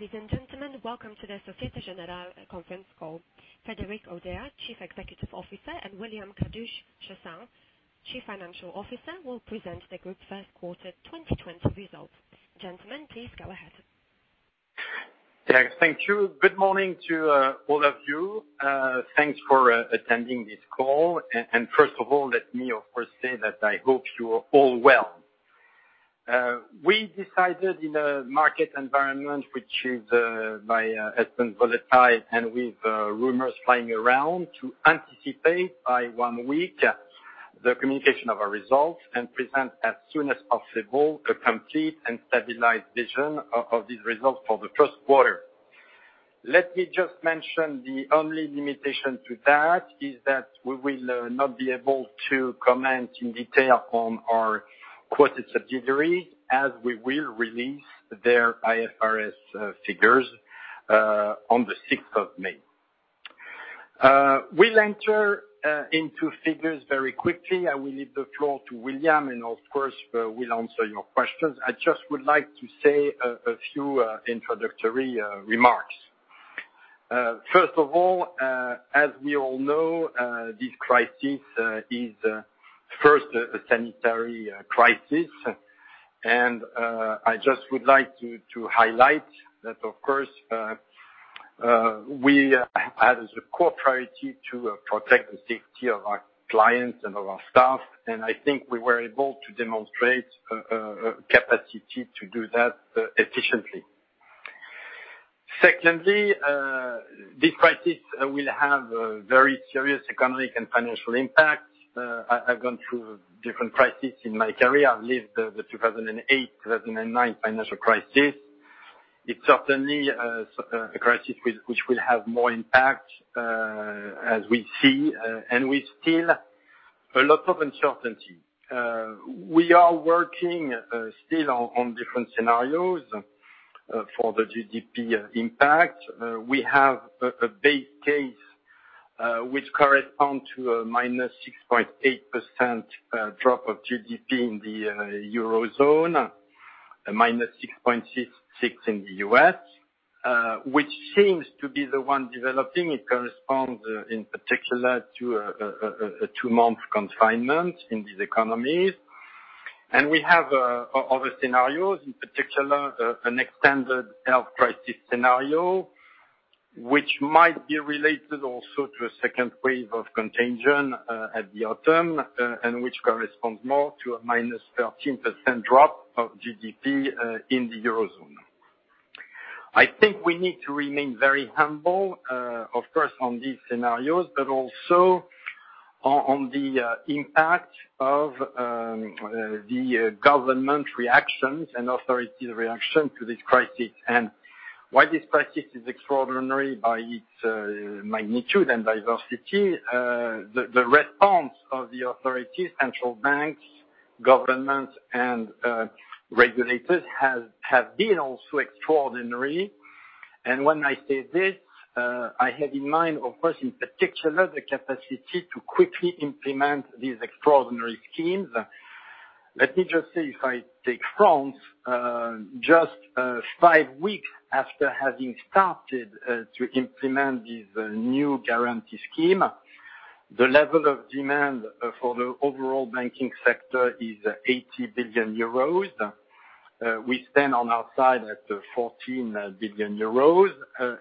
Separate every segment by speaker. Speaker 1: Ladies and gentlemen, welcome to the Société Générale conference call. Frédéric Oudéa, Chief Executive Officer, and William Kudasch-Chassaing, Chief Financial Officer, will present the group's first quarter 2020 results. Gentlemen, please go ahead.
Speaker 2: Thank you. Good morning to all of you. Thanks for attending this call. First of all, let me, of course, say that I hope you are all well. We decided in a market environment, which has been volatile and with rumors flying around, to anticipate by one week the communication of our results and present as soon as possible a complete and stabilized vision of these results for the first quarter. Let me just mention the only limitation to that is that we will not be able to comment in detail on our quoted subsidiary, as we will release their IFRS figures on the sixth of May. We will enter into figures very quickly. I will leave the floor to William, and of course, we will answer your questions. I just would like to say a few introductory remarks. First of all, as we all know, this crisis is first a sanitary crisis. I just would like to highlight that, of course, we had as a core priority to protect the safety of our clients and of our staff, and I think we were able to demonstrate a capacity to do that efficiently. Secondly, this crisis will have very serious economic and financial impact. I've gone through different crises in my career. I've lived the 2008, 2009 financial crisis. It's certainly a crisis which will have more impact, as we see, and with still a lot of uncertainty. We are working still on different scenarios for the GDP impact. We have a base case, which corresponds to a -6.8% drop of GDP in the Eurozone, a -6.6% in the U.S., which seems to be the one developing. It corresponds, in particular, to a two-month confinement in these economies. We have other scenarios, in particular, an extended health crisis scenario, which might be related also to a second wave of contagion at the autumn, and which corresponds more to a -13% drop of GDP, in the Eurozone. I think we need to remain very humble, of course, on these scenarios, but also on the impact of the government reactions and authorities' reaction to this crisis. While this crisis is extraordinary by its magnitude and diversity, the response of the authorities, central banks, governments, and regulators have been also extraordinary. When I say this, I have in mind, of course, in particular, the capacity to quickly implement these extraordinary schemes. Let me just say, if I take France, just five weeks after having started to implement this new guarantee scheme, the level of demand for the overall banking sector is 80 billion euros. We stand on our side at 14 billion euros,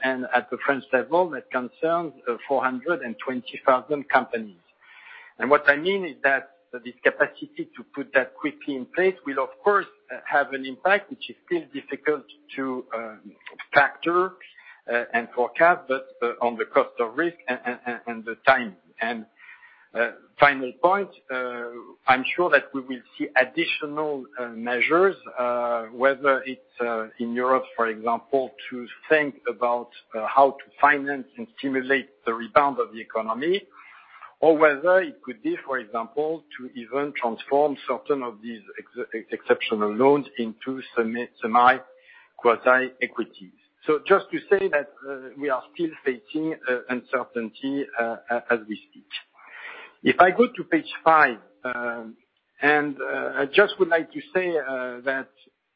Speaker 2: and at the French level, that concerns 420,000 companies. What I mean is that this capacity to put that quickly in place will, of course, have an impact, which is still difficult to factor and forecast, but on the cost of risk and the timing. Final point, I'm sure that we will see additional measures, whether it's in Europe, for example, to think about how to finance and stimulate the rebound of the economy, or whether it could be, for example, to even transform certain of these exceptional loans into semi quasi-equities. Just to say that we are still facing uncertainty as we speak. If I go to page five, I just would like to say that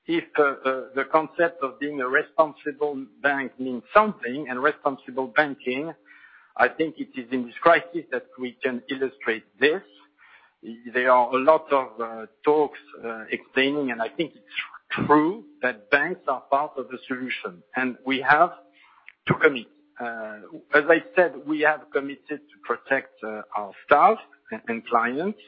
Speaker 2: if the concept of being a responsible bank means something, and responsible banking, I think it is in this crisis that we can illustrate this. There are a lot of talks explaining, I think it's true, that banks are part of the solution, and we have to commit. As I said, we have committed to protect our staff and clients.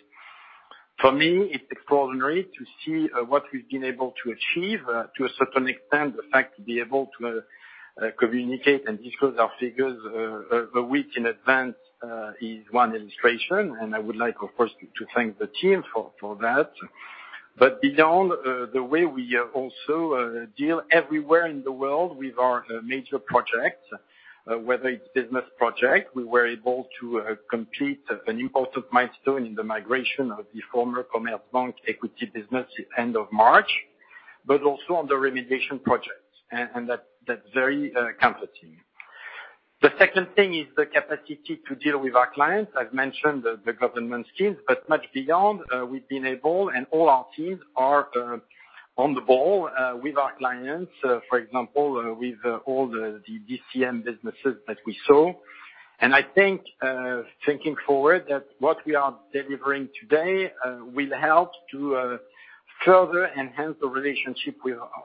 Speaker 2: For me, it's extraordinary to see what we've been able to achieve. To a certain extent, the fact to be able to communicate and discuss our figures a week in advance is one illustration, I would like, of course, to thank the team for that. Beyond the way we also deal everywhere in the world with our major projects, whether it's business project, we were able to complete an important milestone in the migration of the former Commerzbank equity business end of March, but also on the remediation projects. That's very comforting. The second thing is the capacity to deal with our clients. I've mentioned the government schemes, but much beyond, we've been able, and all our teams are on the ball with our clients. For example, with all the DCM businesses that we saw. I think, thinking forward, that what we are delivering today will help to further enhance the relationship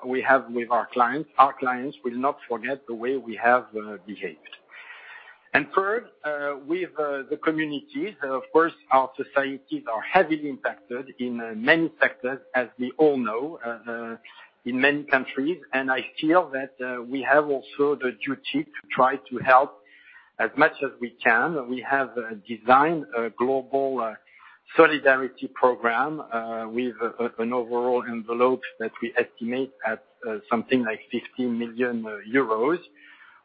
Speaker 2: we have with our clients. Our clients will not forget the way we have behaved. Third, with the communities. Of course, our societies are heavily impacted in many sectors, as we all know, in many countries. I feel that we have also the duty to try to help as much as we can. We have designed a global solidarity program with an overall envelope that we estimate at something like 50 million euros,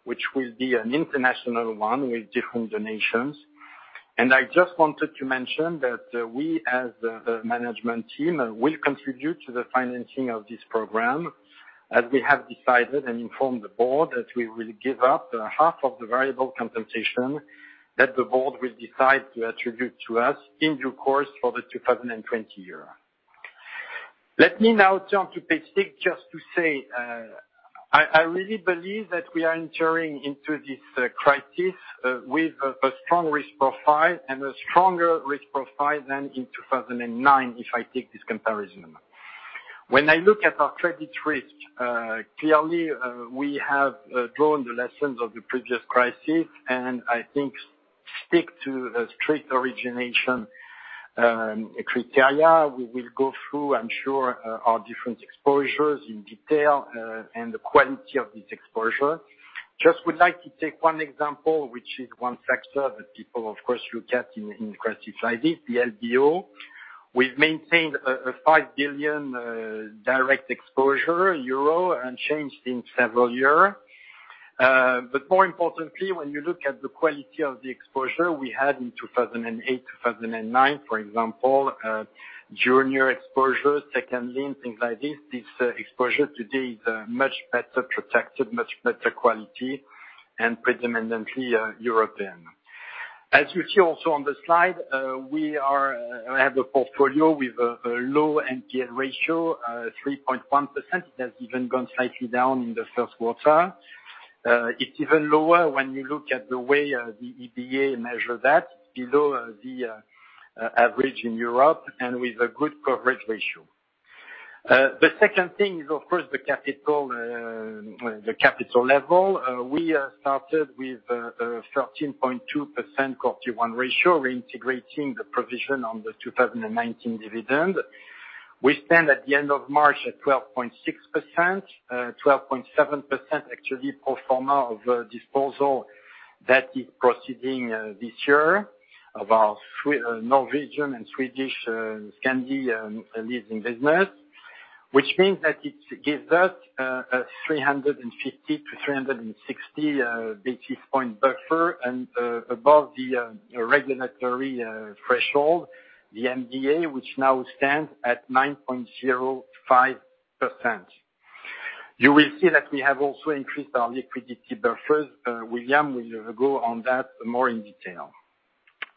Speaker 2: which will be an international one with different donations. I just wanted to mention that we, as the management team, will contribute to the financing of this program, as we have decided and informed the board that we will give up half of the variable compensation that the board will decide to attribute to us in due course for the 2020 year. Let me now turn to page six just to say, I really believe that we are entering into this crisis with a strong risk profile and a stronger risk profile than in 2009, if I take this comparison. When I look at our credit risk, clearly, we have drawn the lessons of the previous crisis, and I think stick to the strict origination criteria. We will go through, I'm sure, our different exposures in detail and the quality of this exposure. Just would like to take one example, which is one sector that people, of course, look at in crisis like this, the LBO. We've maintained a 5 billion direct exposure unchanged in several year. More importantly, when you look at the quality of the exposure we had in 2008, 2009, for example, junior exposure, second lien, things like this exposure today is much better protected, much better quality, and predominantly European. As you see also on the slide, we have a portfolio with a low NPL ratio, 3.1%. It has even gone slightly down in the first quarter. It's even lower when you look at the way the EBA measure that, below the average in Europe and with a good coverage ratio. The second thing is, of course, the capital level. We started with a 13.2% Q1 ratio, reintegrating the provision on the 2019 dividend. We stand at the end of March at 12.6%, 12.7% actually pro forma of disposal that is proceeding this year of our Norwegian and Swedish Scandinavian leasing business, which means that it gives us a 350 to 360 basis point buffer above the regulatory threshold, the MDA, which now stands at 9.05%. You will see that we have also increased our liquidity buffers. William will go on that more in detail.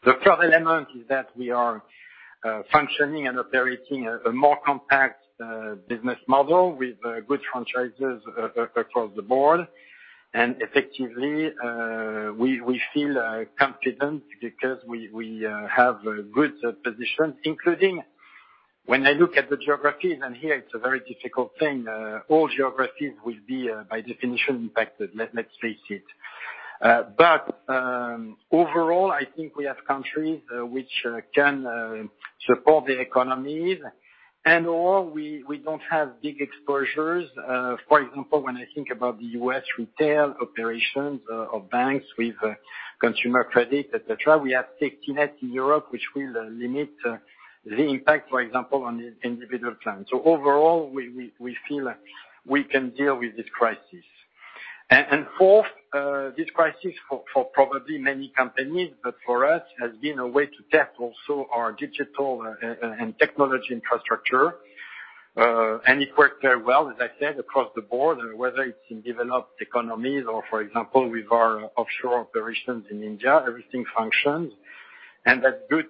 Speaker 2: The third element is that we are functioning and operating a more compact business model with good franchises across the board. Effectively, we feel confident because we have a good position, including when I look at the geographies, and here it's a very difficult thing, all geographies will be, by definition, impacted. Let's face it. Overall, I think we have countries which can support the economies and/or we don't have big exposures. For example, when I think about the U.S. retail operations of banks with consumer credit, et cetera, we have safety net in Europe, which will limit the impact, for example, on individual clients. Overall, we feel we can deal with this crisis. Fourth, this crisis for probably many companies, but for us, has been a way to test also our digital and technology infrastructure. It worked very well, as I said, across the board, whether it's in developed economies or, for example, with our offshore operations in India, everything functions. That's good,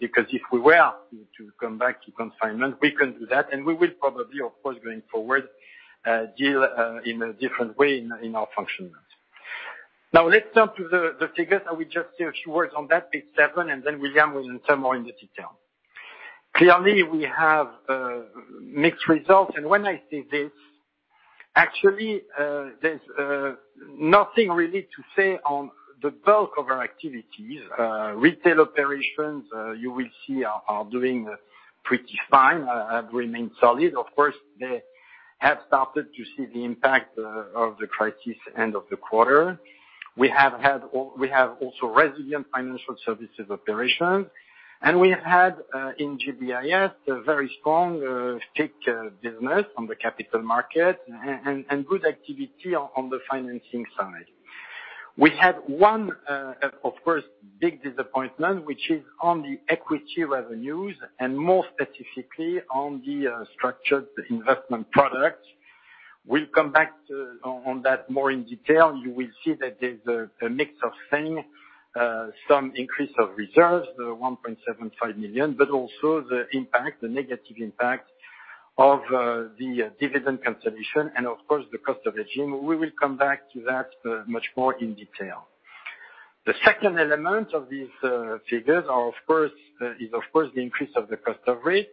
Speaker 2: because if we were to come back to confinement, we can do that. We will probably, of course, going forward, deal in a different way in our functioning. Now let's turn to the figures. I will just say a few words on that, page seven, and then William will enter more into detail. Clearly, we have mixed results. When I say this, actually, there's nothing really to say on the bulk of our activities. Retail operations, you will see, are doing pretty fine, have remained solid. Of course, they have started to see the impact of the crisis end of the quarter. We have also resilient financial services operations, and we have had in GBIS, a very strong FICC business on the capital market and good activity on the financing side. We had one, of course, big disappointment, which is on the equity revenues and more specifically on the structured investment products. We'll come back on that more in detail. You will see that there's a mix of things, some increase of reserves, the 1.75 million, but also the negative impact of the dividend cancellation and, of course, the cost of the GBIS. We will come back to that much more in detail. The second element of these figures is, of course, the increase of the cost of risk.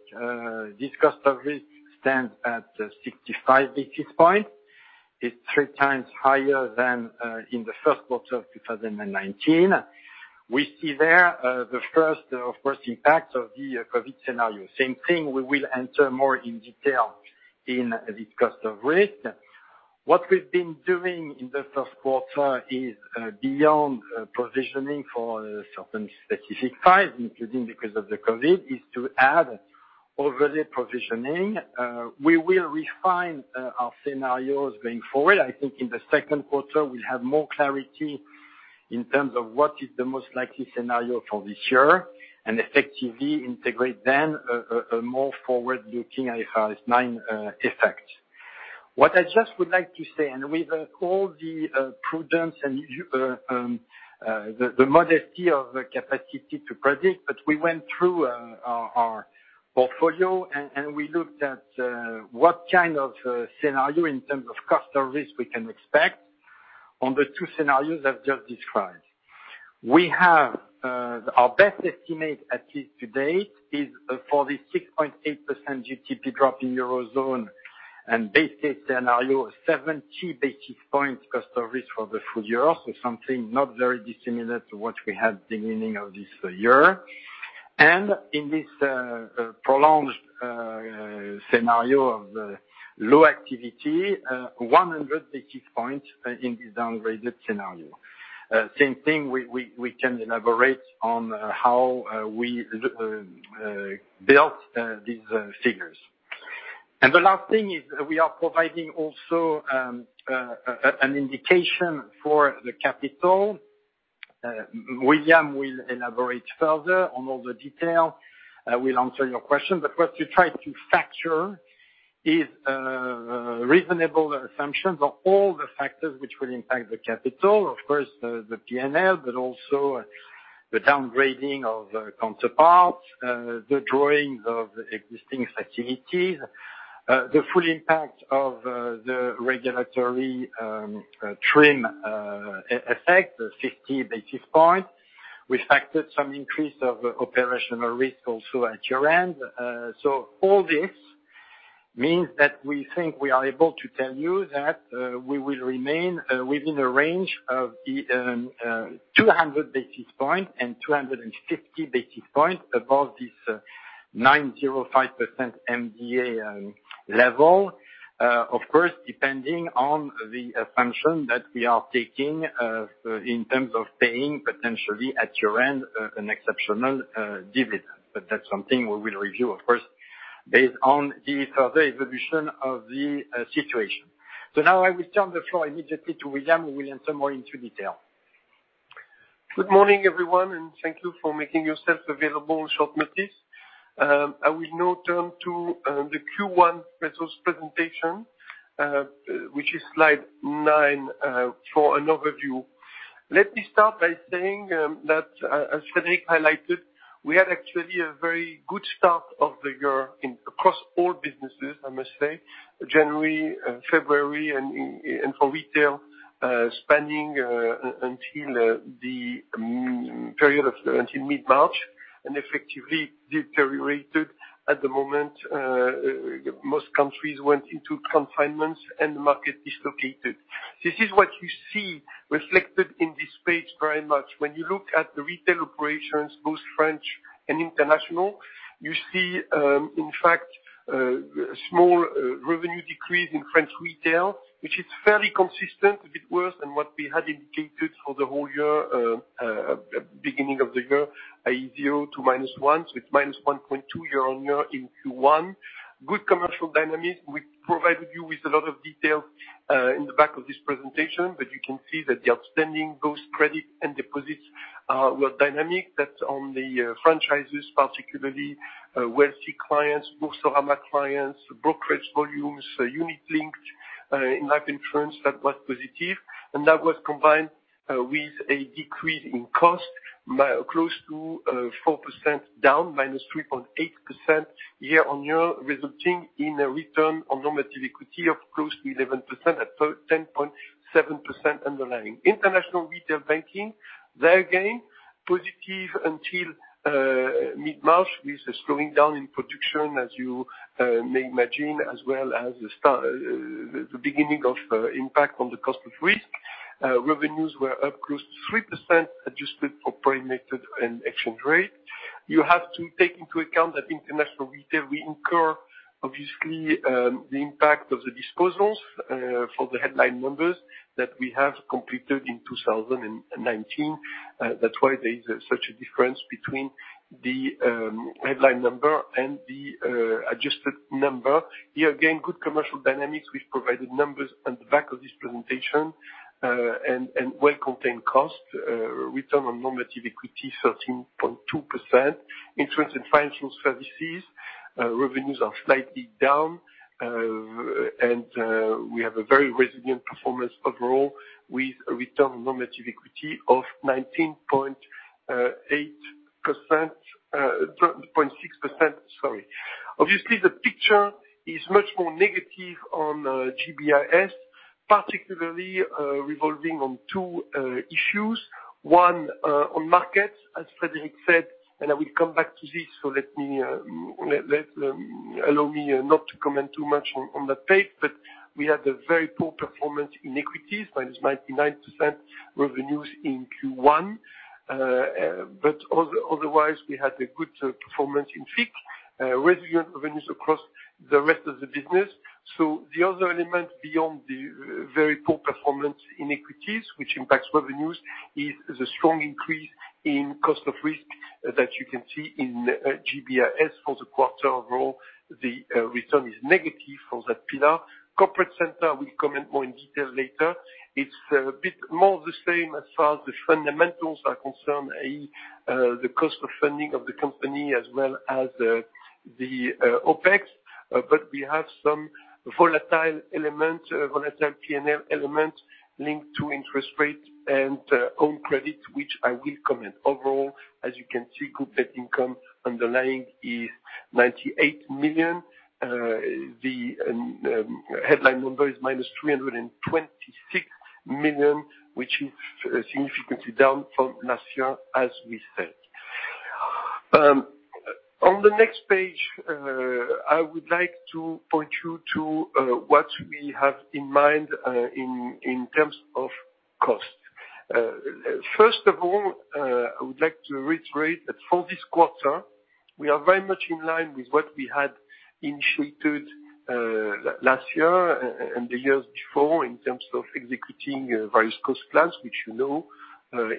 Speaker 2: This cost of risk stands at 65 basis points. It's three times higher than in the first quarter of 2019. We see there the first, of course, impact of the COVID scenario. Same thing, we will enter more in detail in this cost of risk. What we've been doing in the first quarter is, beyond provisioning for certain specific files, including because of the COVID, is to add overlay provisioning. We will refine our scenarios going forward. I think in the second quarter, we'll have more clarity in terms of what is the most likely scenario for this year and effectively integrate then a more forward-looking IFRS 9 effect. What I just would like to say, and with all the prudence and the modesty of the capacity to predict, but we went through our portfolio, and we looked at what kind of scenario in terms of cost of risk we can expect on the two scenarios I've just described. Our best estimate, at least to date, is for the 6.8% GDP drop in Eurozone and base case scenario of 70 basis points cost of risk for the full year. Something not very dissimilar to what we had beginning of this year. In this prolonged scenario of low activity, 100 basis points in this downgraded scenario. Same thing, we can elaborate on how we built these figures. The last thing is we are providing also an indication for the capital. William will elaborate further on all the detail. I will answer your question, what we try to factor is reasonable assumptions on all the factors which will impact the capital. Of course, the P&L, but also the downgrading of counterparts, the drawings of existing facilities, the full impact of the regulatory TRIM effect, the 50 basis points. We factored some increase of operational risk also at year-end. All this means that we think we are able to tell you that we will remain within a range of the 200 basis points and 250 basis points above this 9.05% MDA level. Of course, depending on the assumption that we are taking in terms of paying potentially at year-end an exceptional dividend. That's something we will review, of course, based on the further evolution of the situation. Now I will turn the floor immediately to William, who will enter more into detail.
Speaker 3: Good morning, everyone, and thank you for making yourself available on short notice. I will now turn to the Q1 results presentation, which is slide nine, for an overview. Let me start by saying that, as Frédéric highlighted, we had actually a very good start of the year across all businesses, I must say, January, February, and for retail, spanning until mid-March. Effectively deteriorated at the moment most countries went into confinements and the market dislocated. This is what you see reflected in this page very much. You look at the retail operations, both French and international, you see, in fact, a small revenue decrease in French retail, which is fairly consistent, a bit worse than what we had indicated for the whole year, beginning of the year, a 0 to -1, so it's -1.2 year-on-year in Q1. Good commercial dynamics. We provided you with a lot of details in the back of this presentation. You can see that the outstanding gross credit and deposits were dynamic. That's on the franchises, particularly wealthy clients, Boursorama clients, brokerage volumes, unit-linked, in life insurance, that was positive. That was combined with a decrease in cost, close to 4% down, -3.8% year-on-year, resulting in a return on normative equity of close to 11% at 10.7% underlying. International retail banking, there again, positive until mid-March with a slowing down in production, as you may imagine, as well as the beginning of impact on the cost of risk. Revenues were up close to 3%, adjusted for foreign method and exchange rate. You have to take into account that international retail, we incur, obviously, the impact of the disposals for the headline numbers that we have completed in 2019. That's why there is such a difference between the headline number and the adjusted number. Here, again, good commercial dynamics. We've provided numbers on the back of this presentation. Well-contained costs, return on normative equity 13.2%. Insurance and financial services, revenues are slightly down, and we have a very resilient performance overall with a return on normative equity of 19.6%. Obviously, the picture is much more negative on GBIS, particularly revolving on two issues. One, on markets, as Frédéric said, and I will come back to this, so allow me not to comment too much on that page. We had a very poor performance in equities, -99% revenues in Q1. Otherwise, we had a good performance in FICC, resilient revenues across the rest of the business. The other element beyond the very poor performance in equities, which impacts revenues, is the strong increase in cost of risk that you can see in GBIS for the quarter. Overall, the return is negative for that pillar. Corporate center, I will comment more in detail later. It's a bit more of the same as far as the fundamentals are concerned, i.e., the cost of funding of the company as well as the OPEX. We have some volatile P&L elements linked to interest rate and own credit, which I will comment. Overall, as you can see, group net income underlying is 98 million. The headline number is -326 million, which is significantly down from last year, as we said. On the next page, I would like to point you to what we have in mind in terms of cost. I would like to reiterate that for this quarter, we are very much in line with what we had initiated last year and the years before in terms of executing various cost plans, which you know,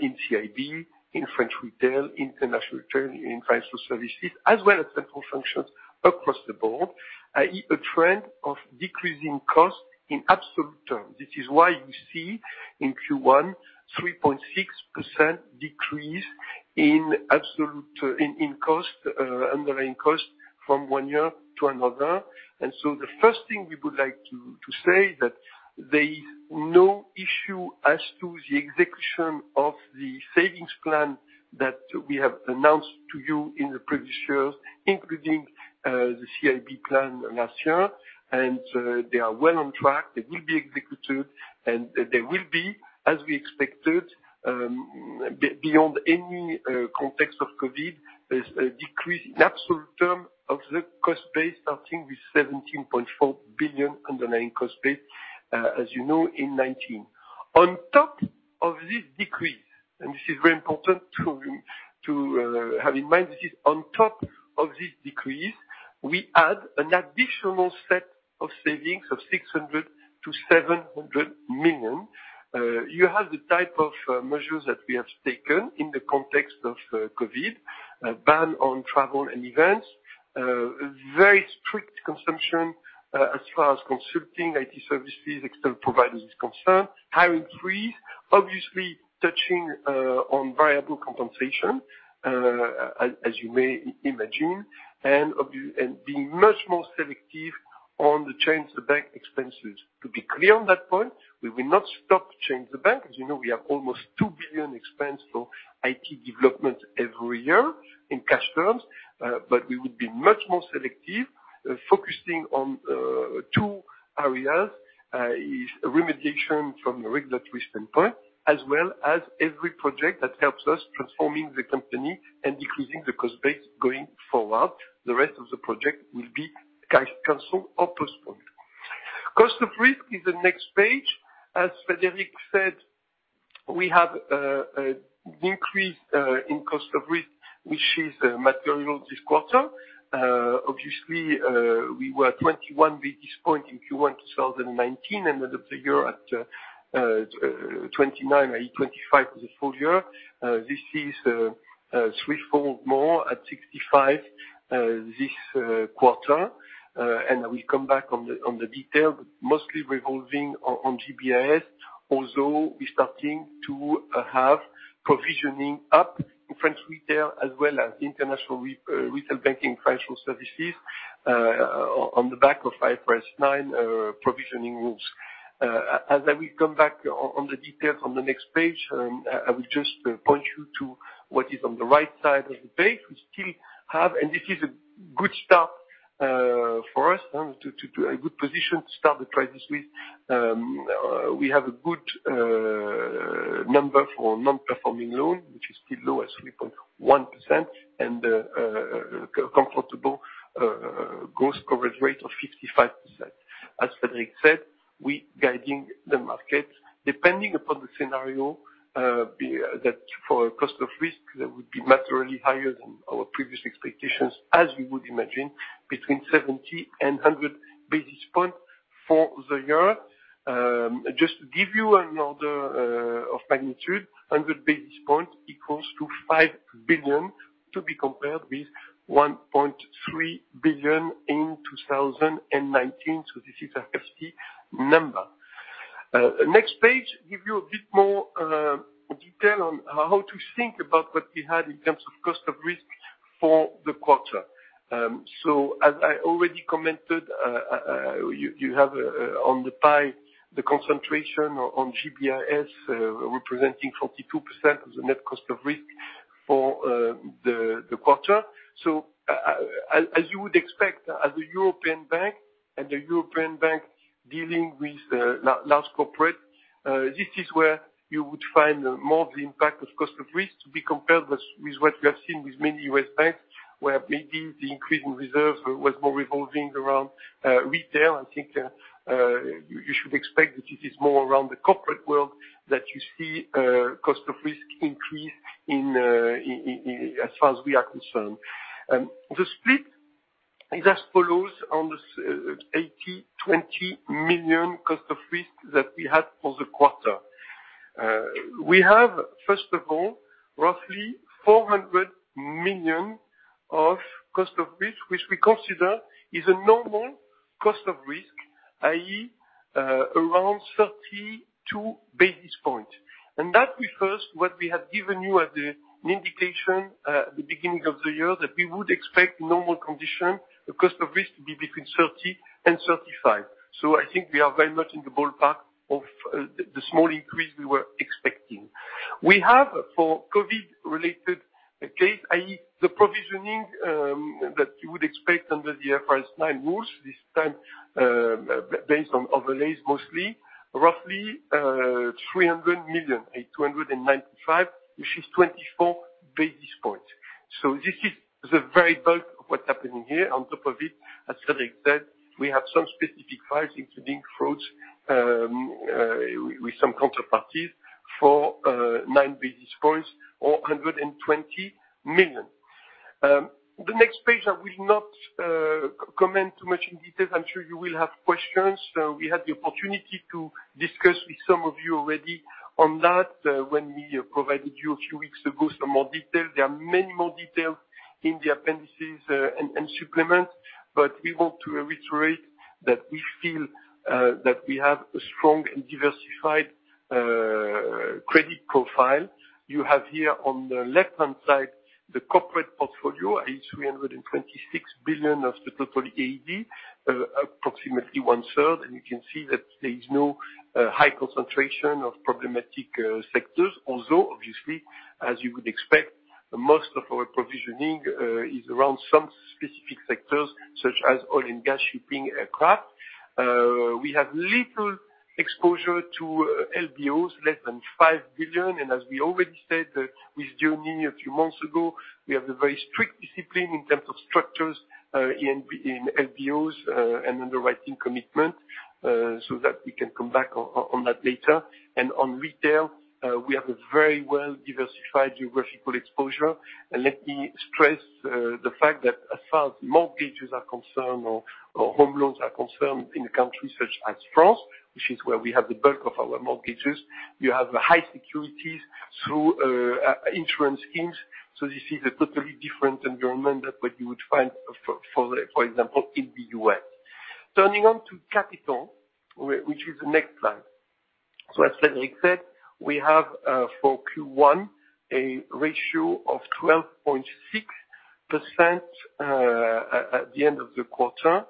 Speaker 3: in CIB, in French retail, international trade, in financial services, as well as central functions across the board, i.e., a trend of decreasing cost in absolute terms. This is why you see in Q1, a 3.6% decrease in underlying cost from one year to another. The first thing we would like to say is that there is no issue as to the execution of the savings plan that we have announced to you in the previous years, including the CIB plan last year. They are well on track. They will be executed, they will be, as we expected, beyond any context of COVID, a decrease in absolute term of the cost base, starting with 17.4 billion underlying cost base as you know in 2019. On top of this decrease, this is very important to have in mind, this is on top of this decrease. We add an additional set of savings of 600 million-700 million. You have the type of measures that we have taken in the context of COVID, ban on travel and events, very strict consumption as far as consulting, IT services, external providers is concerned, hiring freeze, obviously touching on variable compensation, as you may imagine, and being much more selective on the Change the Bank expenses. To be clear on that point, we will not stop Change the Bank. As you know, we have almost 2 billion expense for IT development every year in cash terms. We would be much more selective, focusing on two areas, is remediation from a regulatory standpoint, as well as every project that helps us transforming the company and decreasing the cost base going forward. The rest of the project will be canceled or postponed. Cost of risk is the next page. As Frédéric said, we have an increase in cost of risk, which is material this quarter. Obviously, we were 21 basis points in Q1 2019, and end of the year at 29, i.e., 25 for the full year. This is threefold more at 65 this quarter. I will come back on the detail, but mostly revolving on GBIS, although we're starting to have provisioning up in French retail as well as international retail banking financial services on the back of IFRS 9 provisioning rules. I will come back on the details on the next page, I will just point you to what is on the right side of the page. We still have, and this is a good start for us, a good position to start the price this week. We have a good number for non-performing loan, which is still low at 3.1%, and a comfortable gross coverage rate of 55%. Frédéric said, we're guiding the market depending upon the scenario, that for cost of risk, that would be materially higher than our previous expectations, as you would imagine, between 70 and 100 basis points for the year. Just to give you an order of magnitude, 100 basis points equals to 5 billion, to be compared with 1.3 billion in 2019. This is a hefty number. Next page, give you a bit more detail on how to think about what we had in terms of cost of risk for the quarter. As I already commented, you have on the pie, the concentration on GBIS, representing 42% of the net cost of risk for the quarter. As you would expect, as a European bank and a European bank dealing with large corporate, this is where you would find more of the impact of cost of risk to be compared with what we have seen with many U.S. banks, where maybe the increase in reserve was more revolving around retail. I think you should expect that this is more around the corporate world that you see cost of risk increase as far as we are concerned. The split is as follows on the 80/20 million cost of risk that we had for the quarter. We have, first of all, roughly 400 million of cost of risk, which we consider is a normal cost of risk, i.e., around 32 basis points. That refers what we have given you as an indication at the beginning of the year, that we would expect normal condition, the cost of risk to be between 30 and 35. I think we are very much in the ballpark of the small increase we were expecting. We have for COVID-related case, i.e., the provisioning, that you would expect under the IFRS 9 rules this time, based on overlays mostly, roughly 300 million, 295, which is 24 basis points. This is the very bulk of what's happening here. On top of it, as Frédéric said, we have some specific files, including frauds, with some counterparties for nine basis points or 120 million. The next page, I will not comment too much in detail. I'm sure you will have questions. We had the opportunity to discuss with some of you already on that when we provided you a few weeks ago some more details. There are many more details in the appendices and supplements. We want to reiterate that we feel that we have a strong and diversified credit profile. You have here on the left-hand side the corporate portfolio is 326 billion of total for the EAD, approximately one-third. You can see that there is no high concentration of problematic sectors, although obviously, as you would expect, most of our provisioning is around some specific sectors, such as oil and gas, shipping, aircraft. We have little exposure to LBOs, less than 5 billion. As we already said with Jean-Yves a few months ago, we have a very strict discipline in terms of structures in LBOs and underwriting commitment, so that we can come back on that later. On retail, we have a very well-diversified geographical exposure. Let me stress the fact that as far as mortgages are concerned or home loans are concerned in a country such as France, which is where we have the bulk of our mortgages, you have high securities through insurance schemes. This is a totally different environment than what you would find, for example, in the U.S. Turning on to capital, which is the next slide. As Frédéric said, we have for Q1 a ratio of 12.6% at the end of the quarter.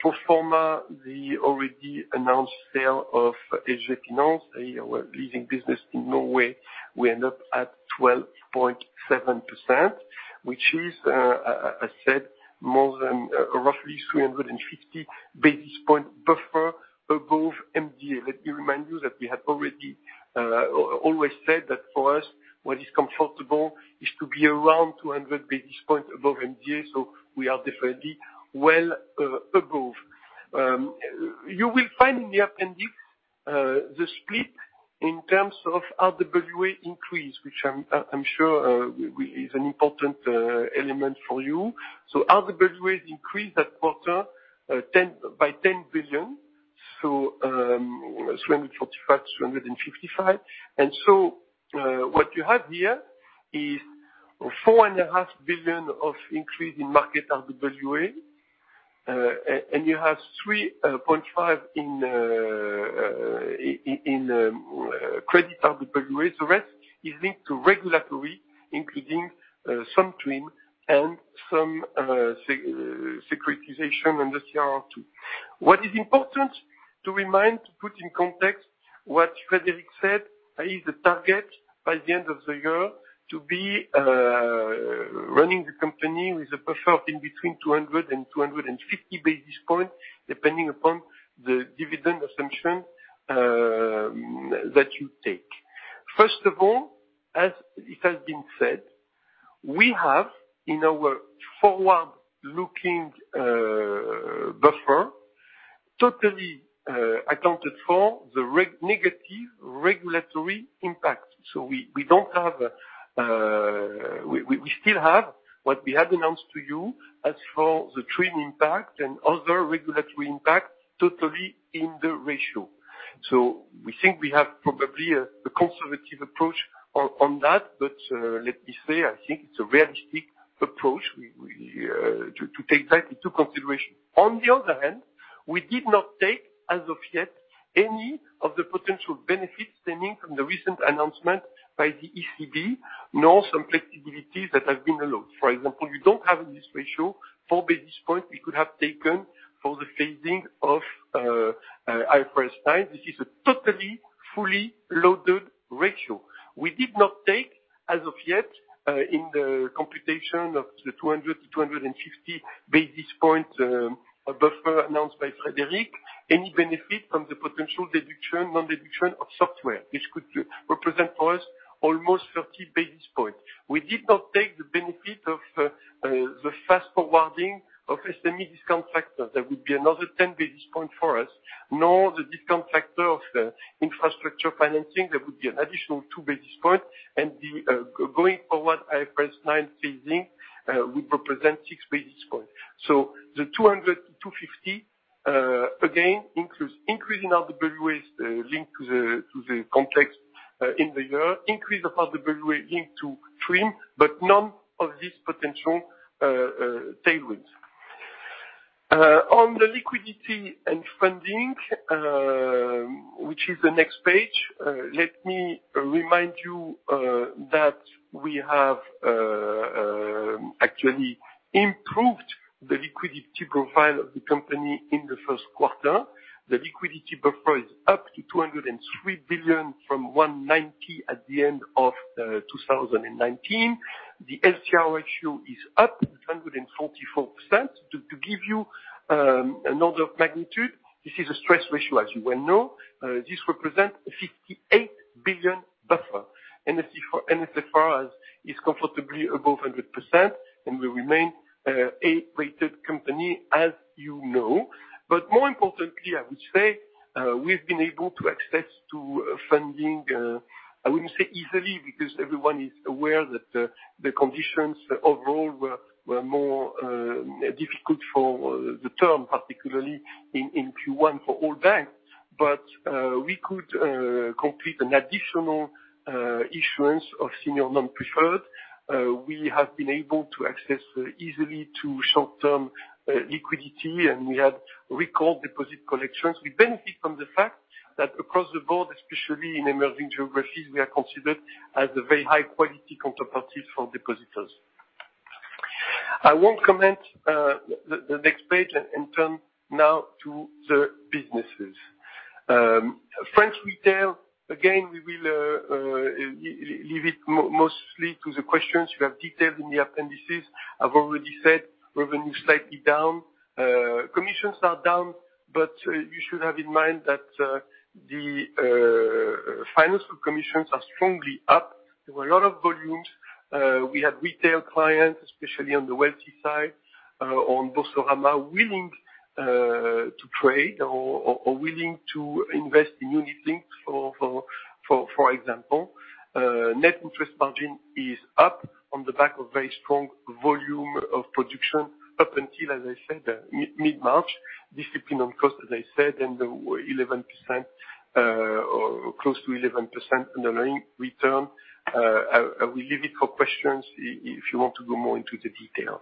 Speaker 3: Pro forma, the already announced sale of SG Finans, our leasing business in Norway, we end up at 12.7%, which is, as I said, more than roughly 350 basis point buffer above MDA. Let me remind you that we have always said that for us, what is comfortable is to be around 200 basis points above MDA, so we are definitely well above. You will find in the appendix, the split in terms of RWA increase, which I'm sure is an important element for you. RWAs increased that quarter by 10 billion, 345 to 355. What you have here is 4.5 billion of increase in market RWA, and you have 3.5 in credit RWA. The rest is linked to regulatory, including some TRIM and some securitization under CRR 2. What is important to remind, to put in context what Frédéric said, is the target by the end of the year to be running the company with a buffer in between 200 and 250 basis points, depending upon the dividend assumption that you take. First of all, as it has been said, we have in our forward-looking buffer, totally accounted for the negative regulatory impact. We still have what we have announced to you as for the TRIM impact and other regulatory impact totally in the ratio. We think we have probably a conservative approach on that. Let me say, I think it's a realistic approach to take that into consideration. On the other hand, we did not take, as of yet, any of the potential benefits stemming from the recent announcement by the ECB, nor some flexibilities that have been allowed. For example, you don't have in this ratio four basis points we could have taken for the phasing of IFRS 9. This is a totally fully loaded ratio. We did not take, as of yet, in the computation of the 200 to 250 basis points, a buffer announced by Frédéric, any benefit from the potential non-deduction of software. This could represent for us almost 30 basis points. We did not take the benefit of the fast forwarding of SME discount factor. That would be another 10 basis points for us. The discount factor of the infrastructure financing, that would be an additional two basis points, and the going forward IFRS 9 phasing would represent six basis points. The 200-250, again, includes increasing other giveaways linked to the context in the year, increase of other giveaways linked to TRIM, none of these potential tailwinds. On the liquidity and funding, which is the next page, let me remind you, that we have actually improved the liquidity profile of the company in the first quarter. The liquidity buffer is up to 203 billion from 190 billion at the end of 2019. The LCR ratio is up 144%. To give you an order of magnitude, this is a stress ratio, as you well know. This represents a 58 billion buffer. NSFR is comfortably above 100%. We remain A-rated company, as you know. More importantly, I would say, we've been able to access to funding, I wouldn't say easily, because everyone is aware that the conditions overall were more difficult for the term, particularly in Q1 for all banks. We could complete an additional issuance of senior non-preferred. We have been able to access easily to short-term liquidity, and we had recall deposit collections. We benefit from the fact that across the board, especially in emerging geographies, we are considered as a very high-quality counterparty for depositors. I won't comment the next page, and turn now to the businesses. French Retail, again, we will leave it mostly to the questions. You have details in the appendices. I've already said revenue is slightly down. Commissions are down. You should have in mind that the financial commissions are strongly up. There were a lot of volumes. We had retail clients, especially on the wealthy side, on Boursorama, willing to trade or willing to invest in unit-linked, for example. Net interest margin is up on the back of very strong volume of production up until, as I said, mid-March. Discipline on cost, as I said, and close to 11% underlying return. I will leave it for questions if you want to go more into the detail.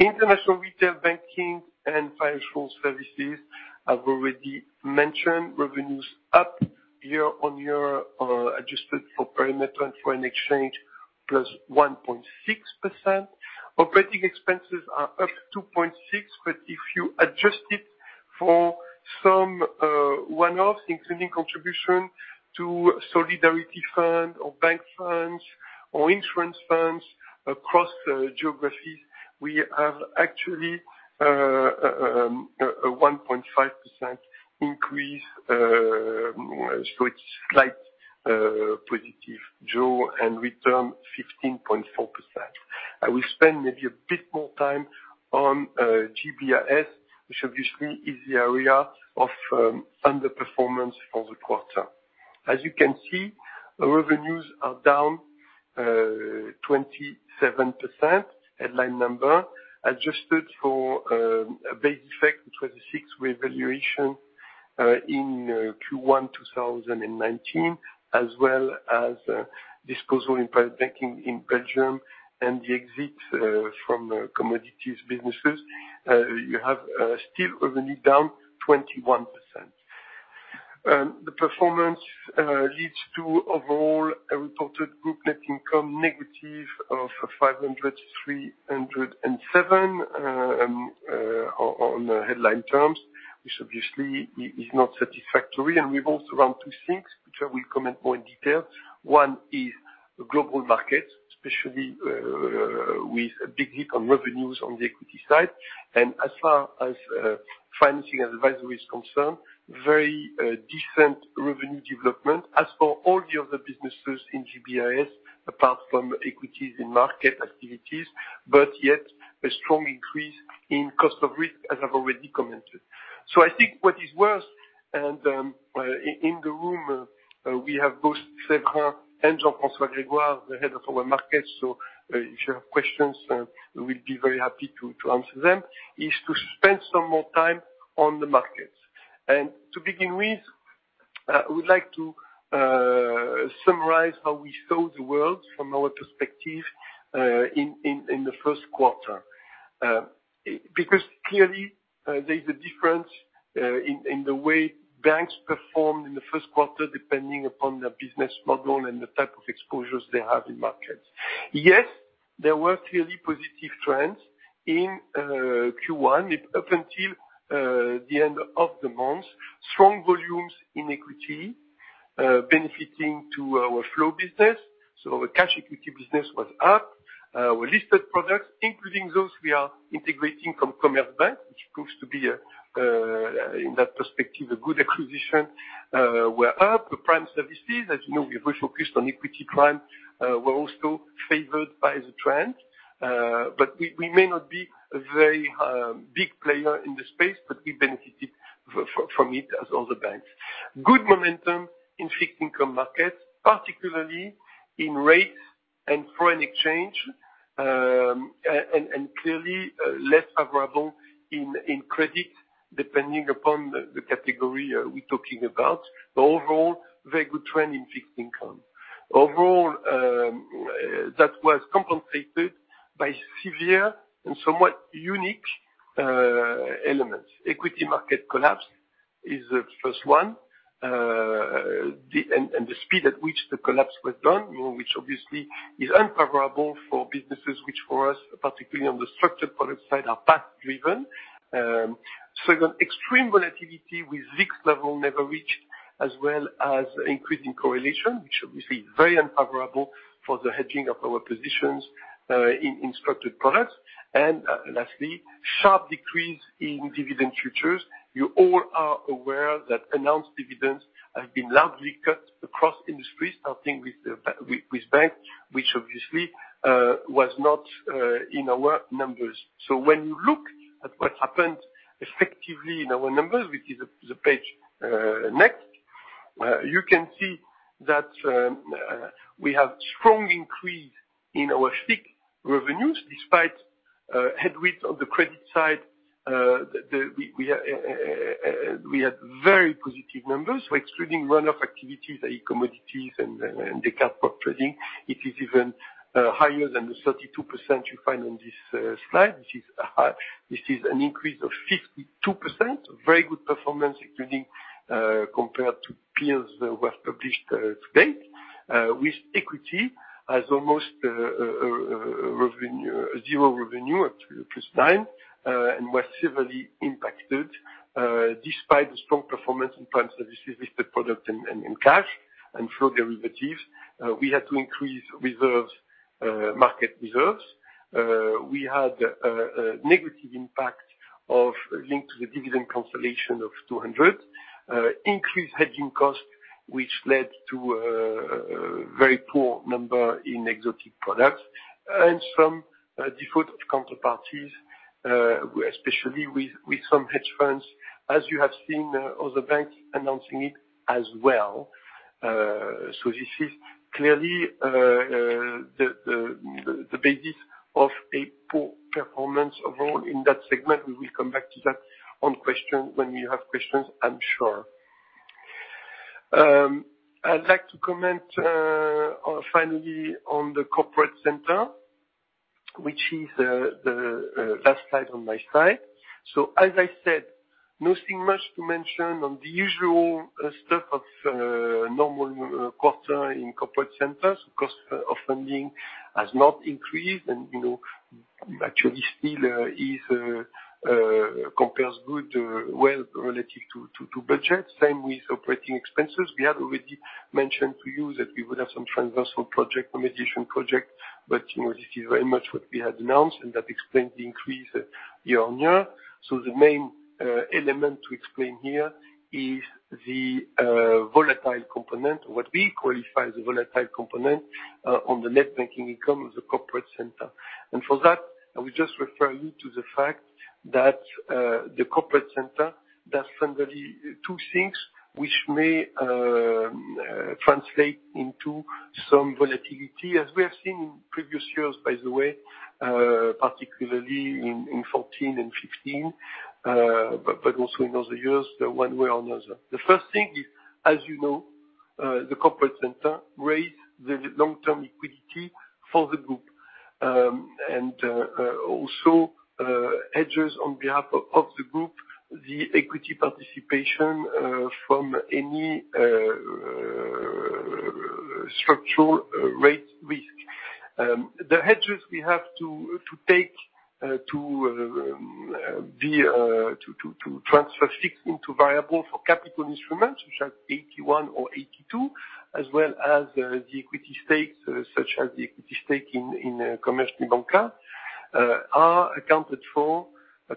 Speaker 3: International Retail Banking and Financial Services. I've already mentioned revenues up year-on-year, adjusted for perimeter and foreign exchange, +1.6%. Operating expenses are up 2.6, but if you adjust it for some one-offs, including contribution to solidarity fund or bank funds or insurance funds across geographies, we have actually a 1.5% increase. It's slight positive draw and return 15.4%. I will spend maybe a bit more time on GBIS, which obviously is the area of underperformance for the quarter. As you can see, our revenues are down 27%, headline number, adjusted for a base effect, 26 revaluation in Q1 2019, as well as disposal in private banking in Belgium and the exit from commodities businesses. You have still revenue down 21%. The performance leads to, overall, a reported group net income negative of 500,307 million on headline terms, which obviously is not satisfactory. It revolves around two things, which I will comment more in detail. One is global markets, especially with a big hit on revenues on the equity side. As far as financing advisory is concerned, very different revenue development. As for all the other businesses in GBIS, apart from equities and market activities, but yet a strong increase in cost of risk, as I've already commented. I think what is worse, and we have both Séverin and Jean-François Grégoire, the Head of Global Markets. If you have questions, we'll be very happy to answer them, is to spend some more time on the markets. To begin with, I would like to summarize how we saw the world from our perspective in the first quarter, because clearly, there's a difference in the way banks performed in the first quarter depending upon their business model and the type of exposures they have in markets. There were clearly positive trends in Q1 up until the end of the month. Strong volumes in equity benefiting to our flow business. Our cash equity business was up. Our listed products, including those we are integrating from Commerzbank, which proves to be, in that perspective, a good acquisition, were up. The prime services, as you know, we've refocused on equity prime were also favored by the trend. We may not be a very big player in the space, but we benefited from it as other banks. Good momentum in fixed income markets, particularly in rates and foreign exchange, and clearly less favorable in credit, depending upon the category we're talking about. Overall, very good trend in fixed income. Overall, that was compensated by severe and somewhat unique elements. Equity market collapse is the first one, and the speed at which the collapse was done, which obviously is unfavorable for businesses, which for us, particularly on the structured product side, are path driven. Second, extreme volatility with VIX level never reached, as well as increasing correlation, which obviously very unfavorable for the hedging of our positions in structured products. Lastly, sharp decrease in dividend futures. You all are aware that announced dividends have been largely cut across industries, starting with banks, which obviously was not in our numbers. When you look at what happened effectively in our numbers, which is the page next, you can see that we have strong increase in our FICC revenues, despite headwinds on the credit side, we had very positive numbers. Excluding run-off activities, i.e. commodities and the cargo trading, it is even higher than the 32% you find on this slide. This is an increase of 52%, very good performance including compared to peers that were published to date with equity as almost zero revenue at plus EUR 9 and were severely impacted despite the strong performance in prime services, listed product in cash and flow derivatives. We had to increase market reserves. We had a negative impact of linked to the dividend cancellation of 200, increased hedging costs, which led to a very poor number in exotic products, and some default of counterparties, especially with some hedge funds, as you have seen other banks announcing it as well. This is clearly the basis of a poor performance overall in that segment. We will come back to that when you have questions, I'm sure. I'd like to comment finally on the corporate center, which is the last slide on my side. As I said, nothing much to mention on the usual stuff of normal quarter in corporate centers. Cost of funding has not increased and actually still compares good well relative to budget. Same with operating expenses. We had already mentioned to you that we would have some transversal project, automation project, but this is very much what we had announced, and that explains the increase year-on-year. The main element to explain here is the volatile component, what we qualify as a volatile component on the net banking income of the corporate center. For that, I will just refer you to the fact that the corporate center does fundamentally two things which may translate into some volatility, as we have seen in previous years, by the way, particularly in 2014 and 2015, but also in other years, one way or another. The first thing is, as you know, the corporate center raises the long-term liquidity for the group, and also hedges on behalf of the group, the equity participation from any structural rate risk. The hedges we have to take to transfer fixed into variable for capital instruments, such as AT1 or AT2, as well as the equity stakes, such as the equity stake in Commerzbank are accounted for,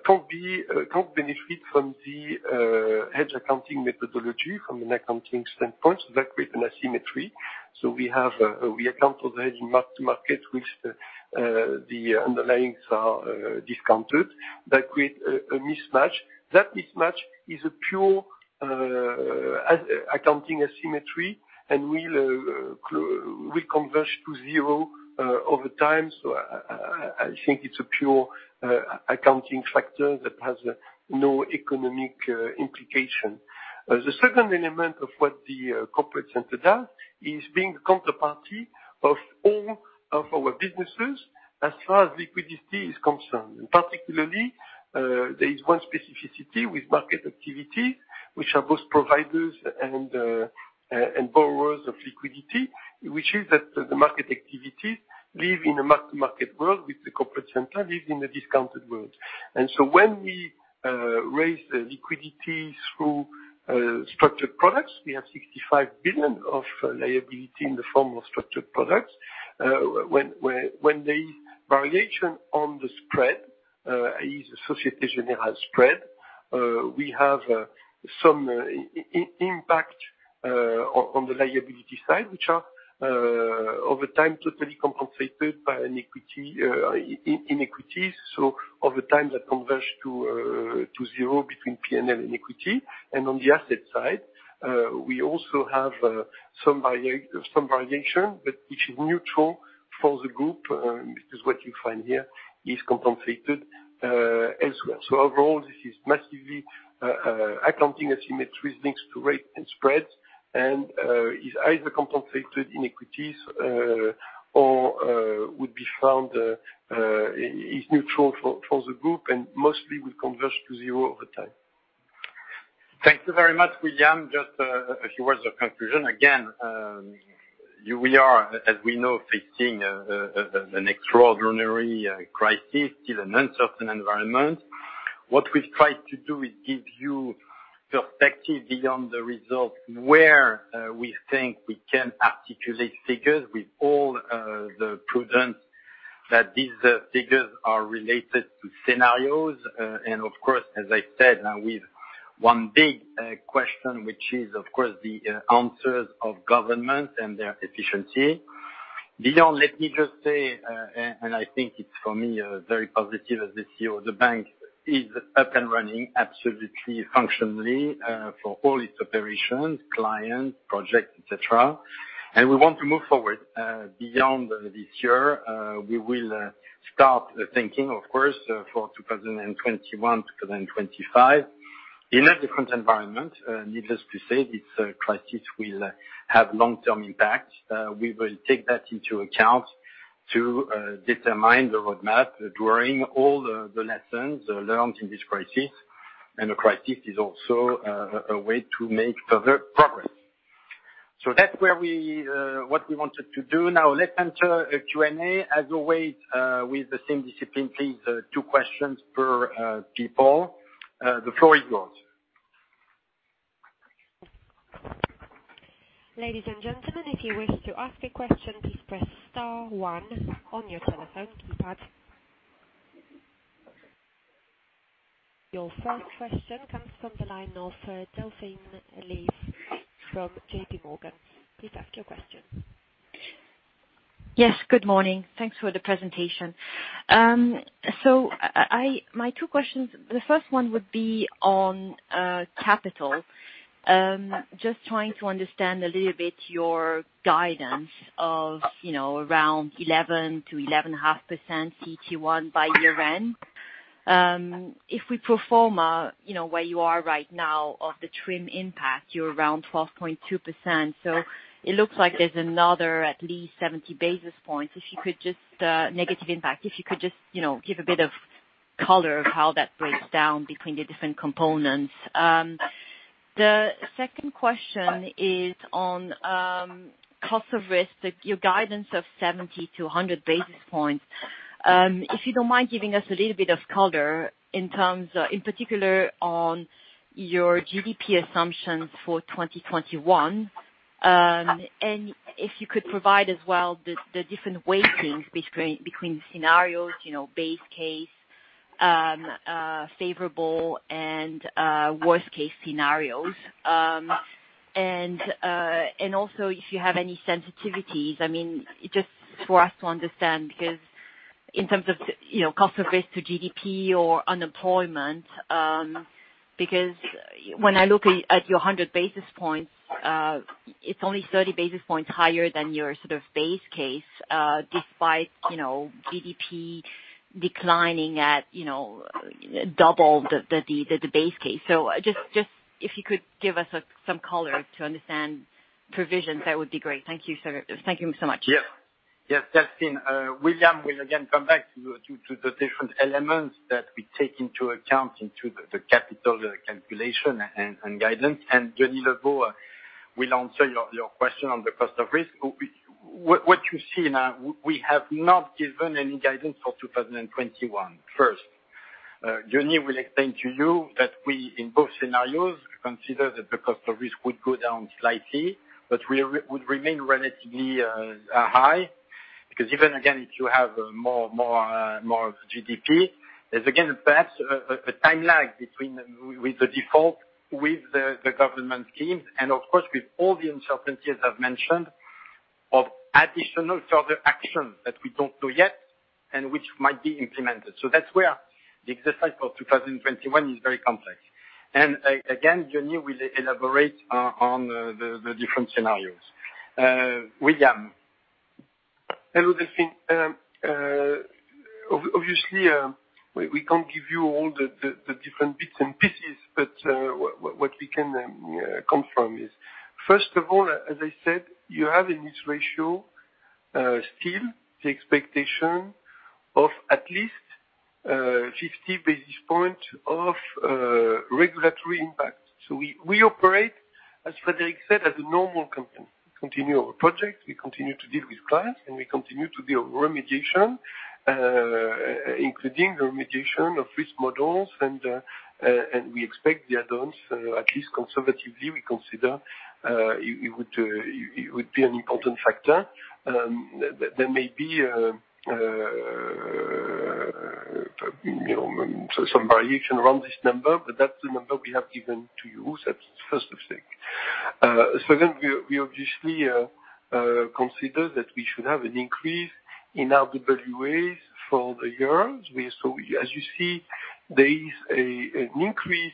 Speaker 3: can't benefit from the hedge accounting methodology from an accounting standpoint. That creates an asymmetry. We have a reaccount of the hedging market, which the underlyings are discounted. That creates a mismatch. That mismatch is a pure accounting asymmetry and will converge to zero over time. I think it's a pure accounting factor that has no economic implication. The second element of what the corporate center does is being the counterparty of all of our businesses as far as liquidity is concerned. Particularly, there is one specificity with market activity, which are both providers and borrowers of liquidity, which is that the market activities live in a mark-to-market world with the corporate center, lives in a discounted world. When we raise the liquidity through structured products, we have 65 billion of liability in the form of structured products. When the variation on the spread, i.e., Société Générale spread, we have some impact on the liability side, which are, over time, totally compensated by inequities. Over time, that converge to zero between P&L and equity. On the asset side, we also have some variation, but which is neutral for the group, because what you find here is compensated as well. Overall, this is massively accounting asymmetries links to rate and spreads, and is either compensated inequities, or is neutral for the group, and mostly will converge to zero over time.
Speaker 2: Thank you very much, William. Just a few words of conclusion. We are, as we know, facing an extraordinary crisis, still an uncertain environment. What we've tried to do is give you perspective beyond the results where we think we can articulate figures with all the prudence that these figures are related to scenarios. Of course, as I said, now with one big question, which is, of course, the answers of governments and their efficiency. Beyond, let me just say, and I think it's for me, very positive that this year the bank is up and running absolutely functionally, for all its operations, clients, projects, et cetera. We want to move forward beyond this year. We will start thinking, of course, for 2021, 2025, in a different environment. Needless to say, this crisis will have long-term impact. We will take that into account to determine the roadmap during all the lessons learned in this crisis. A crisis is also a way to make further progress. That's what we wanted to do. Now let's enter a Q&A as always with the same discipline, please. Two questions per people. The floor is yours.
Speaker 1: Ladies and gentlemen, if you wish to ask a question, please press star 1 on your telephone keypad. Your first question comes from the line of Delphine Lee from JPMorgan. Please ask your question.
Speaker 4: Yes, good morning. Thanks for the presentation. My two questions, the first one would be on capital. Just trying to understand a little bit your guidance of around 11%-11.5% CET1 by year-end. If we pro forma where you are right now of the TRIM impact, you're around 12.2%. It looks like there's another at least 70 basis points negative impact. If you could just give a bit of color of how that breaks down between the different components. The second question is on cost of risk, your guidance of 70 to 100 basis points. If you don't mind giving us a little bit of color in particular on your GDP assumptions for 2021, and if you could provide as well, the different weightings between scenarios, base case, favorable, and worst-case scenarios. Also if you have any sensitivities, just for us to understand, because in terms of cost of risk to GDP or unemployment, because when I look at your 100 basis points, it's only 30 basis points higher than your sort of base case, despite GDP declining at double the base case. Just if you could give us some color to understand provisions, that would be great. Thank you so much.
Speaker 2: Yes. Delphine Lee, William will again come back to the different elements that we take into account into the capital calculation and guidance. Diony Lebot will answer your question on the cost of risk. What you see now, we have not given any guidance for 2021, first. Diony will explain to you that we, in both scenarios, consider that the cost of risk would go down slightly, but would remain relatively high. Because even, again, if you have more GDP, there's again, perhaps a time lag between the default with the government schemes and of course, with all the uncertainties I've mentioned of additional further action that we don't know yet and which might be implemented. That's where the exercise for 2021 is very complex. Again, Diony will elaborate on the different scenarios. William.
Speaker 3: Hello, Delphine. We can't give you all the different bits and pieces. What we can confirm is, first of all, as I said, you have in this ratio, still the expectation of at least 50 basis points of regulatory impact. We operate, as Frédéric said, as a normal company. We continue our project, we continue to deal with clients, and we continue to build remediation, including remediation of risk models, and we expect the add-ons, at least conservatively, we consider it would be an important factor. There may be some variation around this number. That's the number we have given to you. That's first thing. Second, we obviously consider that we should have an increase in RWA for the year. As you see, there is an increase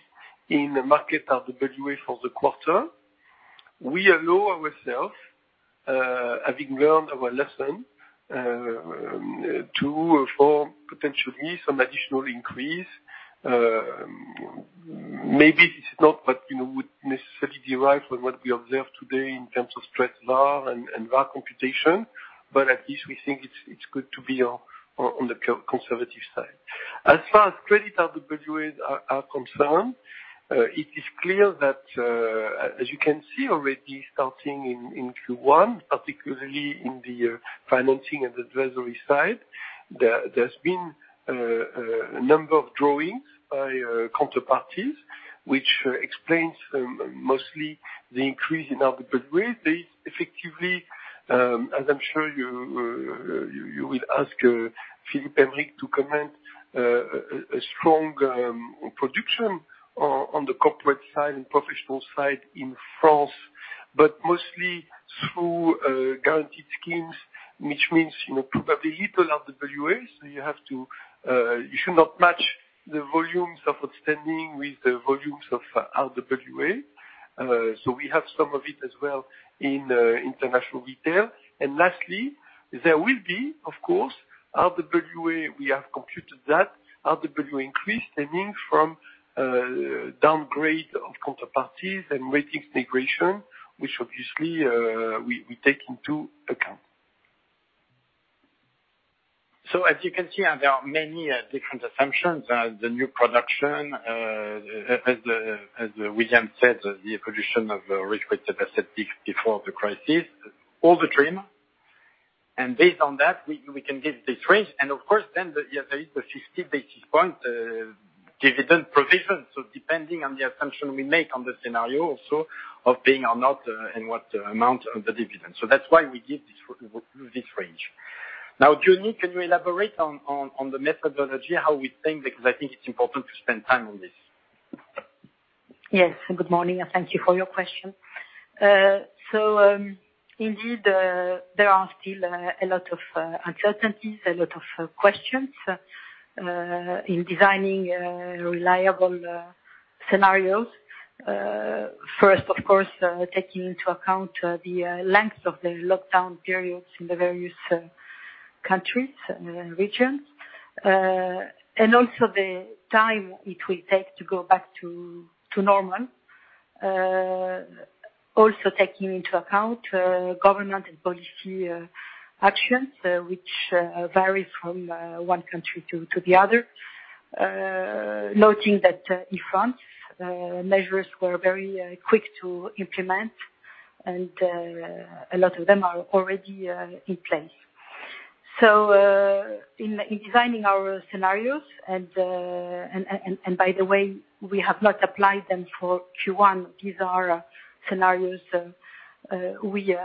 Speaker 3: in the market RWA for the quarter. We allow ourselves, having learned our lesson, to perform potentially some additional increase. Maybe this is not what would necessarily derive from what we observe today in terms of stress VaR and VaR computation, at least we think it's good to be on the conservative side. As far as credit RWAs are concerned, it is clear that, as you can see already starting in Q1, particularly in the financing and the treasury side, there's been a number of drawings by counterparties, which explains mostly the increase in RWA. There is effectively, as I'm sure you will ask Philippe Aymerich to comment, a strong production on the corporate side and professional side in France, mostly through guaranteed schemes, which means probably little RWAs. You should not match the volumes of outstanding with the volumes of RWA. We have some of it as well in international retail. Lastly, there will be, of course, RWA, we have computed that RWA increase stemming from downgrade of counterparties and ratings migration, which obviously, we take into account.
Speaker 2: As you can see, there are many different assumptions. The new production, as William said, the evolution of risk-weighted assets before the crisis, all the TRIM. Based on that, we can give this range. Of course, there is the 50 basis point dividend provision, depending on the assumption we make on the scenario also of paying or not, and what amount of the dividend. That's why we give this range. Jean-Yves, can you elaborate on the methodology, how we think? Because I think it's important to spend time on this.
Speaker 5: Yes. Good morning, and thank you for your question. Indeed, there are still a lot of uncertainties, a lot of questions, in designing reliable scenarios. First, of course, taking into account the length of the lockdown periods in the various countries and regions, and also the time it will take to go back to normal. Also taking into account government and policy actions, which vary from one country to the other. Noting that in France, measures were very quick to implement, and a lot of them are already in place. In designing our scenarios, and by the way, we have not applied them for Q1. These are scenarios we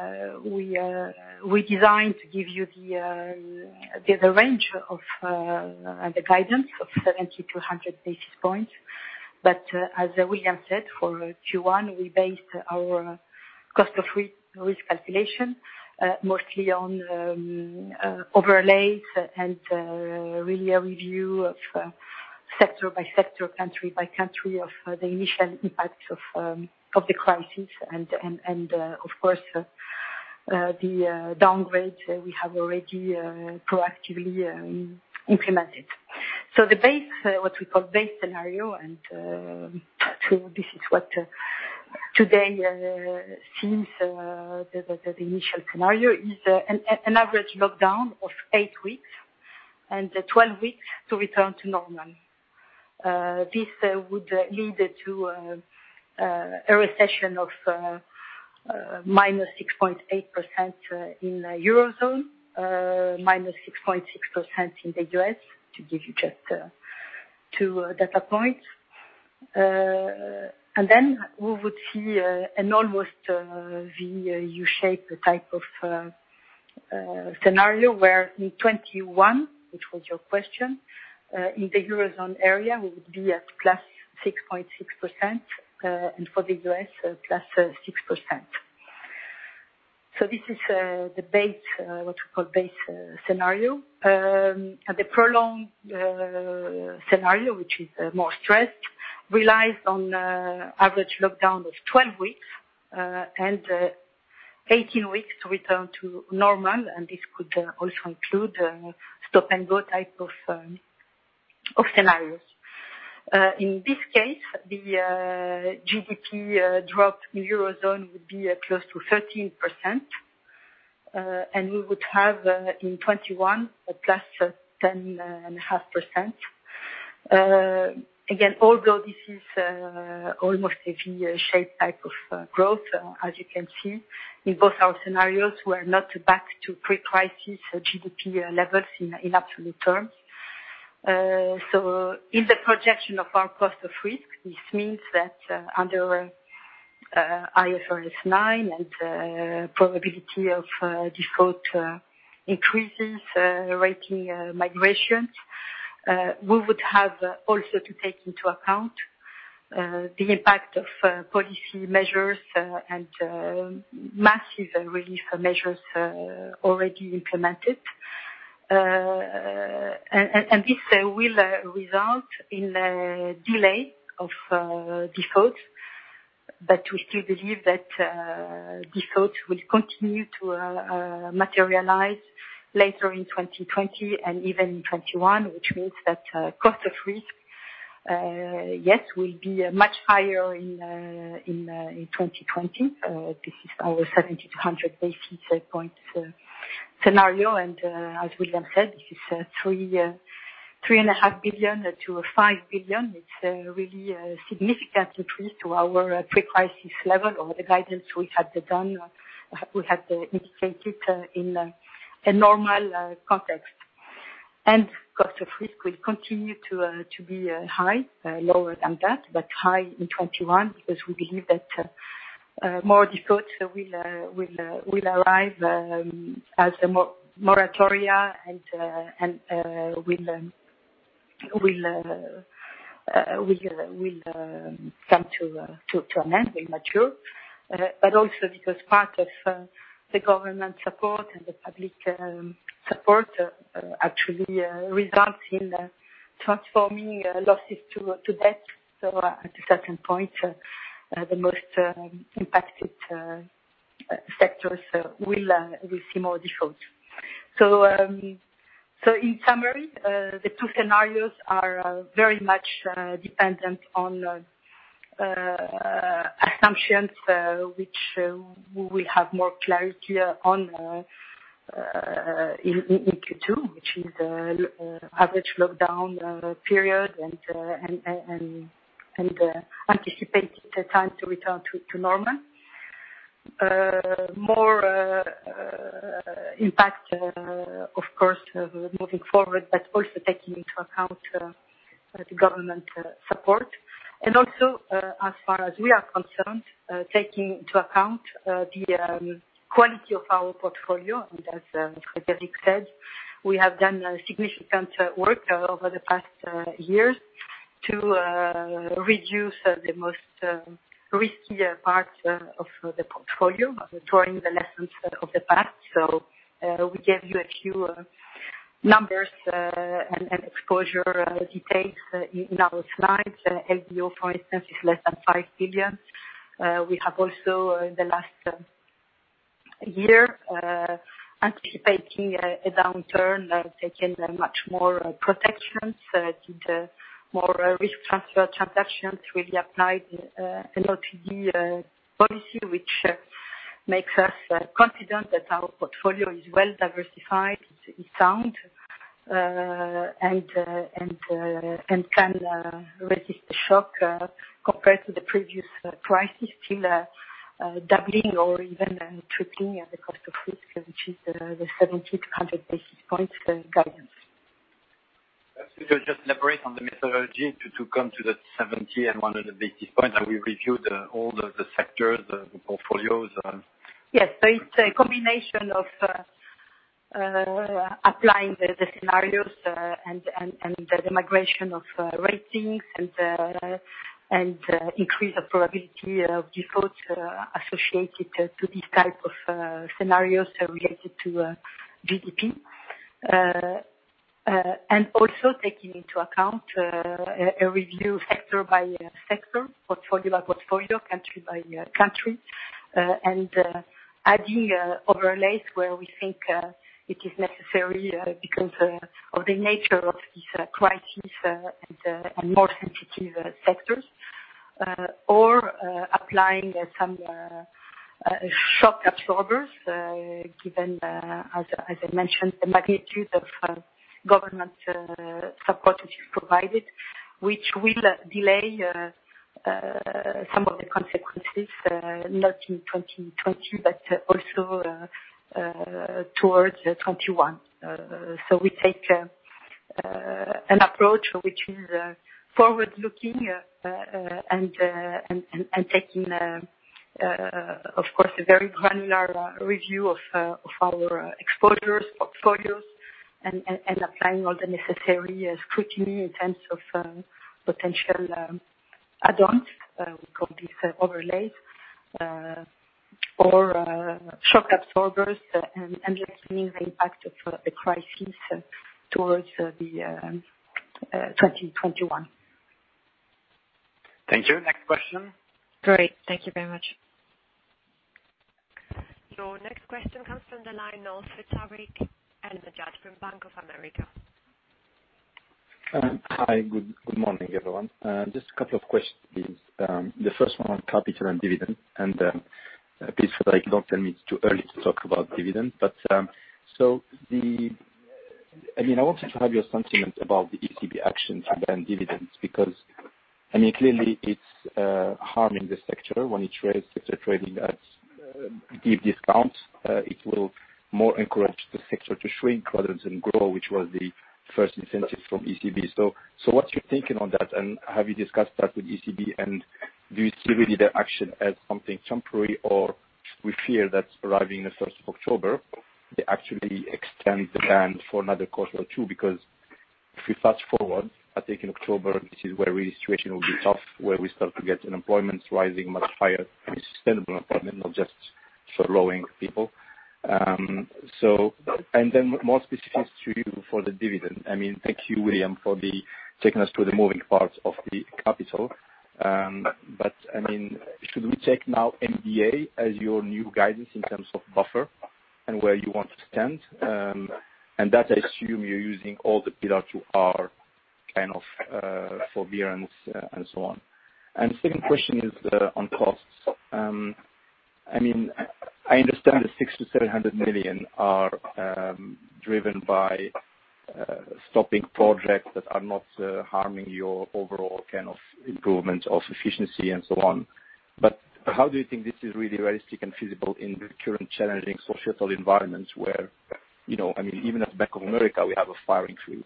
Speaker 5: designed to give you the range of the guidance of 70 to 100 basis points. As William said, for Q1, we based our cost of risk calculation mostly on overlays and really a review of sector by sector, country by country, of the initial impacts of the crisis and, of course, the downgrade we have already proactively implemented. What we call base scenario, and this is what today seems the initial scenario, is an average lockdown of eight weeks and 12 weeks to return to normal. This would lead to a recession of -6.8% in the Eurozone, -6.6% in the U.S., to give you just two data points. We would see an almost V-shape type of scenario where in 2021, which was your question, in the Eurozone area, we would be at +6.6%, and for the U.S., +6%. This is what we call base scenario. The prolonged scenario, which is more stressed, relies on average lockdown of 12 weeks, and 18 weeks to return to normal, and this could also include stop-and-go type of scenarios. In this case, the GDP drop in Eurozone would be close to 13%, and we would have in 2021, a +10.5%. Again, although this is almost a V-shaped type of growth, as you can see, in both our scenarios, we are not back to pre-crisis GDP levels in absolute terms. In the projection of our cost of risk, this means that under IFRS 9 and probability of default increases, rating migrations, we would have also to take into account the impact of policy measures and massive relief measures already implemented. This will result in a delay of defaults, but we still believe that defaults will continue to materialize later in 2020 and even in 2021, which means that cost of risk, yes, will be much higher in 2020. This is our 70 to 100 basis points scenario, and as William said, this is 3.5 billion-5 billion. It's a really significant increase to our pre-crisis level over the guidance we had indicated in a normal context. Cost of risk will continue to be high, lower than that, but high in 2021, because we believe that more defaults will arrive as the moratoria will come to an end, will mature. Also because part of the government support and the public support actually results in transforming losses to debt. At a certain point, the most impacted sectors will see more defaults. In summary, the two scenarios are very much dependent on assumptions which we will have more clarity on in Q2, which is average lockdown period, and anticipating the time to return to normal. More impact, of course, moving forward, but also taking into account the government support. Also, as far as we are concerned, taking into account the quality of our portfolio, and as Frédéric said, we have done significant work over the past years to reduce the riskiest parts of the portfolio, drawing the lessons of the past. We gave you a few numbers, and exposure details in our slides. LBO, for instance, is less than 5 billion. We have also, in the last year, anticipating a downturn, have taken much more protections, did more risk transfer transactions, really applied an LGD policy, which makes us confident that our portfolio is well diversified, it is sound, and can resist the shock compared to the previous crisis, still doubling or even tripling the cost of risk, which is the 70-100 basis points guidance.
Speaker 2: Just to elaborate on the methodology to come to the 70 and 100 basis points, have we reviewed all the sectors, the portfolios?
Speaker 5: Yes. It's a combination of applying the scenarios, and the migration of ratings, and increase of probability of defaults associated to these type of scenarios related to GDP. Also taking into account a review sector by sector, portfolio by portfolio, country by country, and adding overlays where we think it is necessary, because of the nature of this crisis, and more sensitive sectors, or applying some shock absorbers, given, as I mentioned, the magnitude of government support which is provided, which will delay Some of the consequences, not in 2020, but also towards 2021. We take an approach which is forward-looking and taking, of course, a very granular review of our exposures, portfolios, and applying all the necessary scrutiny in terms of potential add-ons. We call these overlays, or shock absorbers, and lessening the impact of the crisis towards 2021. Thank you. Next question.
Speaker 4: Great. Thank you very much.
Speaker 1: Your next question comes from the line of Tarik El Mejjad from Bank of America.
Speaker 6: Hi. Good morning, everyone. Just a couple of questions. The first one on capital and dividend, and please don't tell me it's too early to talk about dividend. I wanted to have your sentiment about the ECB action and dividends, because clearly it's harming the sector when it trades at a deep discount. It will more encourage the sector to shrink rather than grow, which was the first incentive from ECB. What's your thinking on that, and have you discussed that with ECB, and do you see really their action as something temporary, or we fear that arriving the first of October, they actually extend the ban for another quarter or two? If we fast-forward, I think in October, this is where really situation will be tough, where we start to get unemployment rising much higher, sustainable unemployment, not just furloughing people. More specifics to you for the dividend. Thank you, William, for taking us through the moving parts of the capital. Should we take now MDA as your new guidance in terms of buffer and where you want to stand? I assume you're using all the Pillar 2R kind of forbearance and so on. Second question is on costs. I understand the 600 million-700 million are driven by stopping projects that are not harming your overall kind of improvement of efficiency and so on. How do you think this is really realistic and feasible in the current challenging societal environments where, even at Bank of America, we have a firing freeze.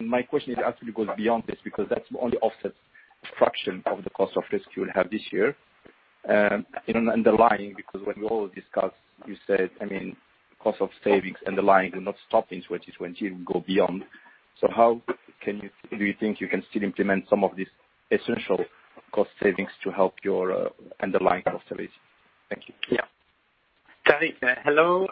Speaker 6: My question actually goes beyond this, because that only offsets a fraction of the cost of risk you will have this year. Underlying, because when we all discussed, you said, cost of savings underlying will not stop in 2022, it will go beyond. How do you think you can still implement some of these essential cost savings to help your underlying cost of risk? Thank you.
Speaker 2: Yeah. Tarik, hello.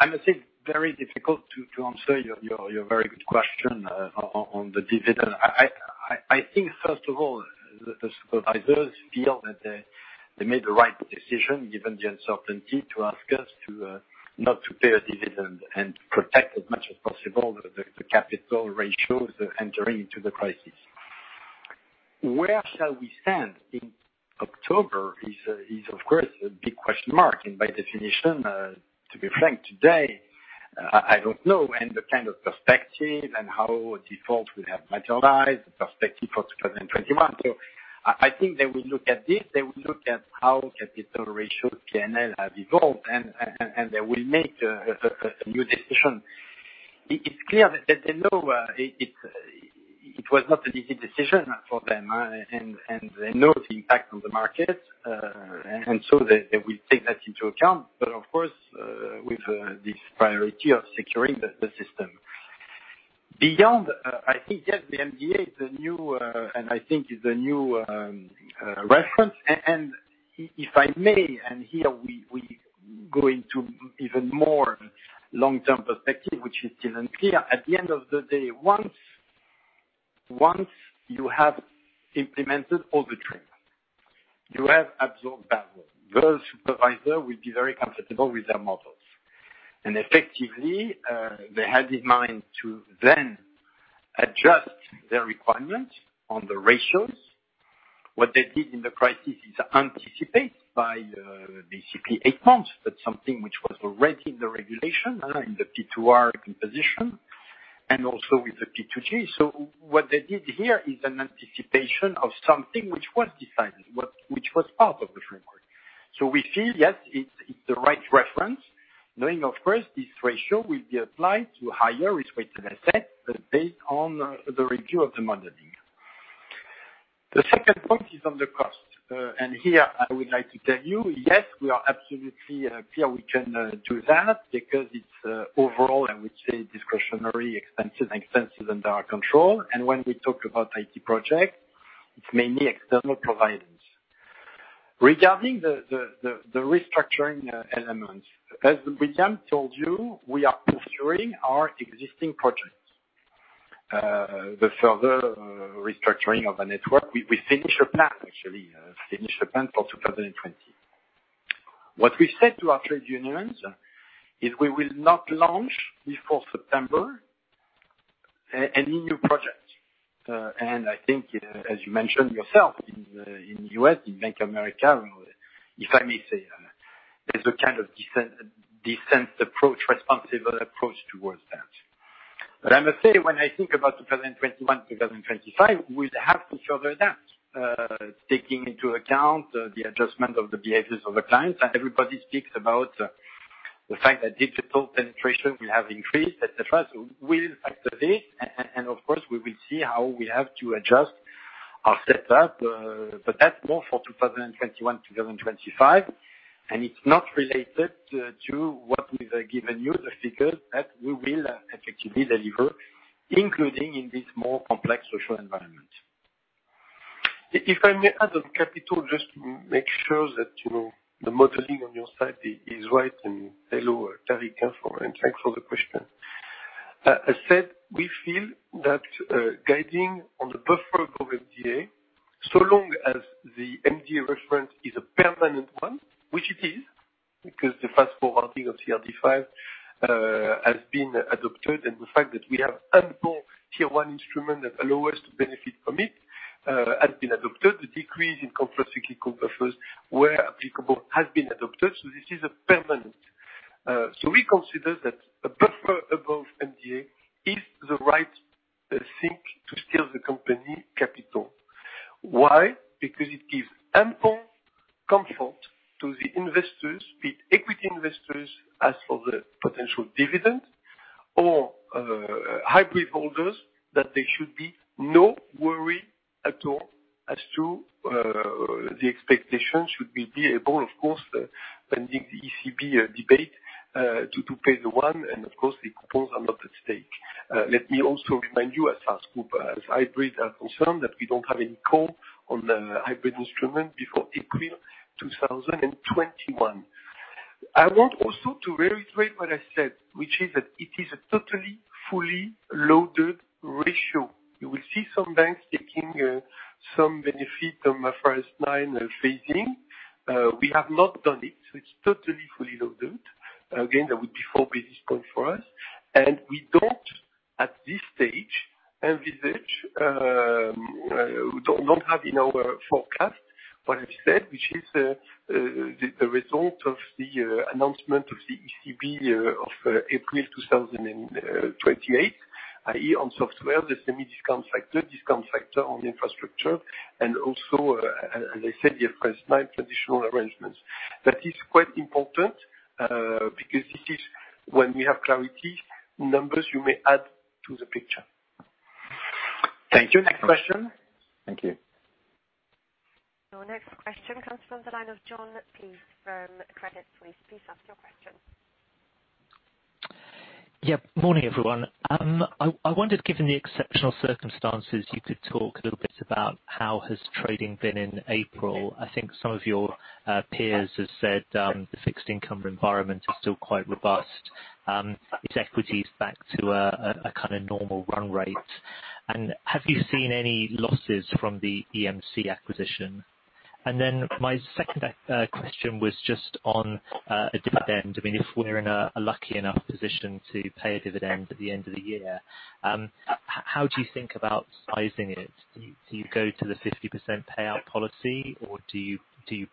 Speaker 2: I must say, very difficult to answer your very good question on the dividend. I think, first of all, the supervisors feel that they made the right decision, given the uncertainty, to ask us not to pay a dividend and protect as much as possible the capital ratios entering into the crisis. Where shall we stand in October is of course a big question mark, and by definition, to be frank, today, I don't know, and the kind of perspective and how defaults will have materialized, the perspective for 2021. I think they will look at this, they will look at how capital ratios, P&L, have evolved, and they will make a new decision. It's clear that they know it was not an easy decision for them, and they know the impact on the market, and so they will take that into account, but of course, with this priority of securing the system. Beyond, I think, yes, the MDA, and I think is the new reference, and if I may, and here we go into even more long-term perspective, which is still unclear. At the end of the day, once you have implemented all the TRIM, you have absorbed bad debt, those supervisors will be very comfortable with their models. Effectively, they had in mind to then adjust their requirements on the ratios. What they did in the crisis is anticipate by basically eight months, but something which was already in the regulation, in the P2R composition, and also with the P2G. What they did here is an anticipation of something which was decided, which was part of the framework. We feel, yes, it's the right reference, knowing, of course, this ratio will be applied to higher risk-weighted assets, but based on the review of the modeling. The second point is on the cost. Here I would like to tell you, yes, we are absolutely clear we can do that, because it's overall, I would say, discretionary expenses and expenses under our control. When we talk about IT projects, it's mainly external providers. Regarding the restructuring elements, as William told you, we are pursuing our existing projects. The further restructuring of the network, we actually, finish a plan for 2020. What we said to our trade unions is we will not launch, before September, any new projects. I think, as you mentioned yourself, in U.S., in Bank of America, if I may say. There's a kind of decent approach, responsive approach towards that. I must say, when I think about 2021, 2025, we have to cover that, taking into account the adjustment of the behaviors of the clients. Everybody speaks about the fact that digital penetration will have increased, et cetera. We'll factor this, and of course, we will see how we have to adjust our setup. That's more for 2021, 2025. It's not related to what we've given you, the figures that we will effectively deliver, including in this more complex social environment.
Speaker 3: If I may add on capital, just to make sure that the modeling on your side is right, and hello, Tarik, and thanks for the question. As said, we feel that guiding on the buffer of MDA, so long as the MDA reference is a permanent one, which it is, because the fast forwarding of CRD5 has been adopted, and the fact that we have ample Tier 1 instrument that allow us to benefit from it, has been adopted. The decrease in countercyclical buffers, where applicable, has been adopted. This is permanent. We consider that a buffer above MDA is the right thing to steer the company capital. Why? Because it gives ample comfort to the investors, be it equity investors as for the potential dividend or hybrid holders, that there should be no worry at all as to the expectation should we be able, of course, pending the ECB debate, to pay the one and of course, the coupons are not at stake. Let me also remind you, as far as hybrids are concerned, that we don't have any call on the hybrid instrument before April 2021. I want also to reiterate what I said, which is that it is a totally, fully loaded ratio. You will see some banks taking some benefit on IFRS 9 phasing. We have not done it, so it's totally, fully loaded. Again, that would be four basis points for us. We don't, at this stage, envisage, we don't have in our forecast what I said, which is the result of the announcement of the ECB of April 2028, i.e., on software, the SME discount factor, discount factor on infrastructure, and also, as I said, the IFRS 9 transitional arrangements. That is quite important, because this is when we have clarity, numbers you may add to the picture. Thank you. Next question.
Speaker 6: Thank you.
Speaker 1: Your next question comes from the line of Jon Peace from Credit Suisse. Peace, ask your question.
Speaker 7: Yeah. Morning, everyone. I wondered, given the exceptional circumstances, you could talk a little bit about how has trading been in April. I think some of your peers have said the fixed income environment is still quite robust. Is equities back to a kind of normal run rate? Have you seen any losses from the EMC acquisition? My second question was just on a dividend. If we're in a lucky enough position to pay a dividend at the end of the year, how do you think about sizing it? Do you go to the 50% payout policy, or do you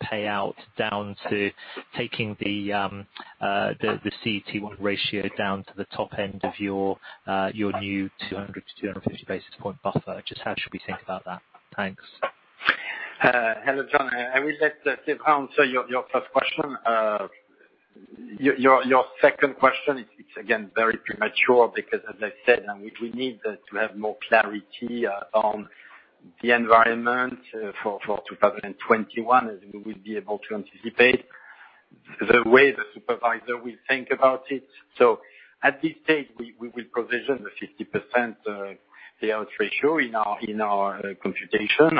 Speaker 7: pay out down to taking the CET1 ratio down to the top end of your new 200-250 basis point buffer? Just how should we think about that? Thanks.
Speaker 2: Hello, Jon. I will let Séverin answer your first question. Your second question, it's again very premature because as I said, we need to have more clarity on the environment for 2021, as we will be able to anticipate the way the supervisor will think about it. At this stage, we will provision the 50% payout ratio in our computation.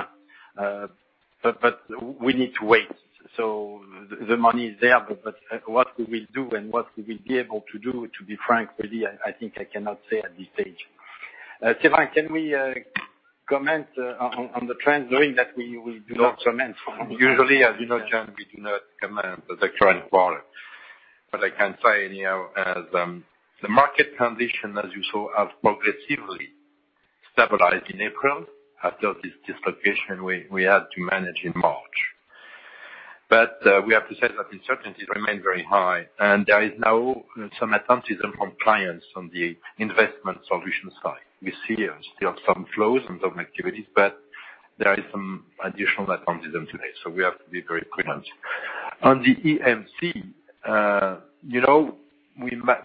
Speaker 2: We need to wait. The money is there, but what we will do and what we will be able to do, to be frank with you, I think I cannot say at this stage. Séverin, can we comment on the trends, knowing that we do not comment?
Speaker 8: Usually, as you know, Jon, we do not comment on the current quarter. I can say anyhow, the market condition, as you saw, has progressively stabilized in April after this dislocation we had to manage in March. We have to say that the uncertainties remain very high, and there is now some optimism from clients on the investment solutions side. We see still some flows and some activities, but there is some additional optimism today, so we have to be very prudent. On the EMC,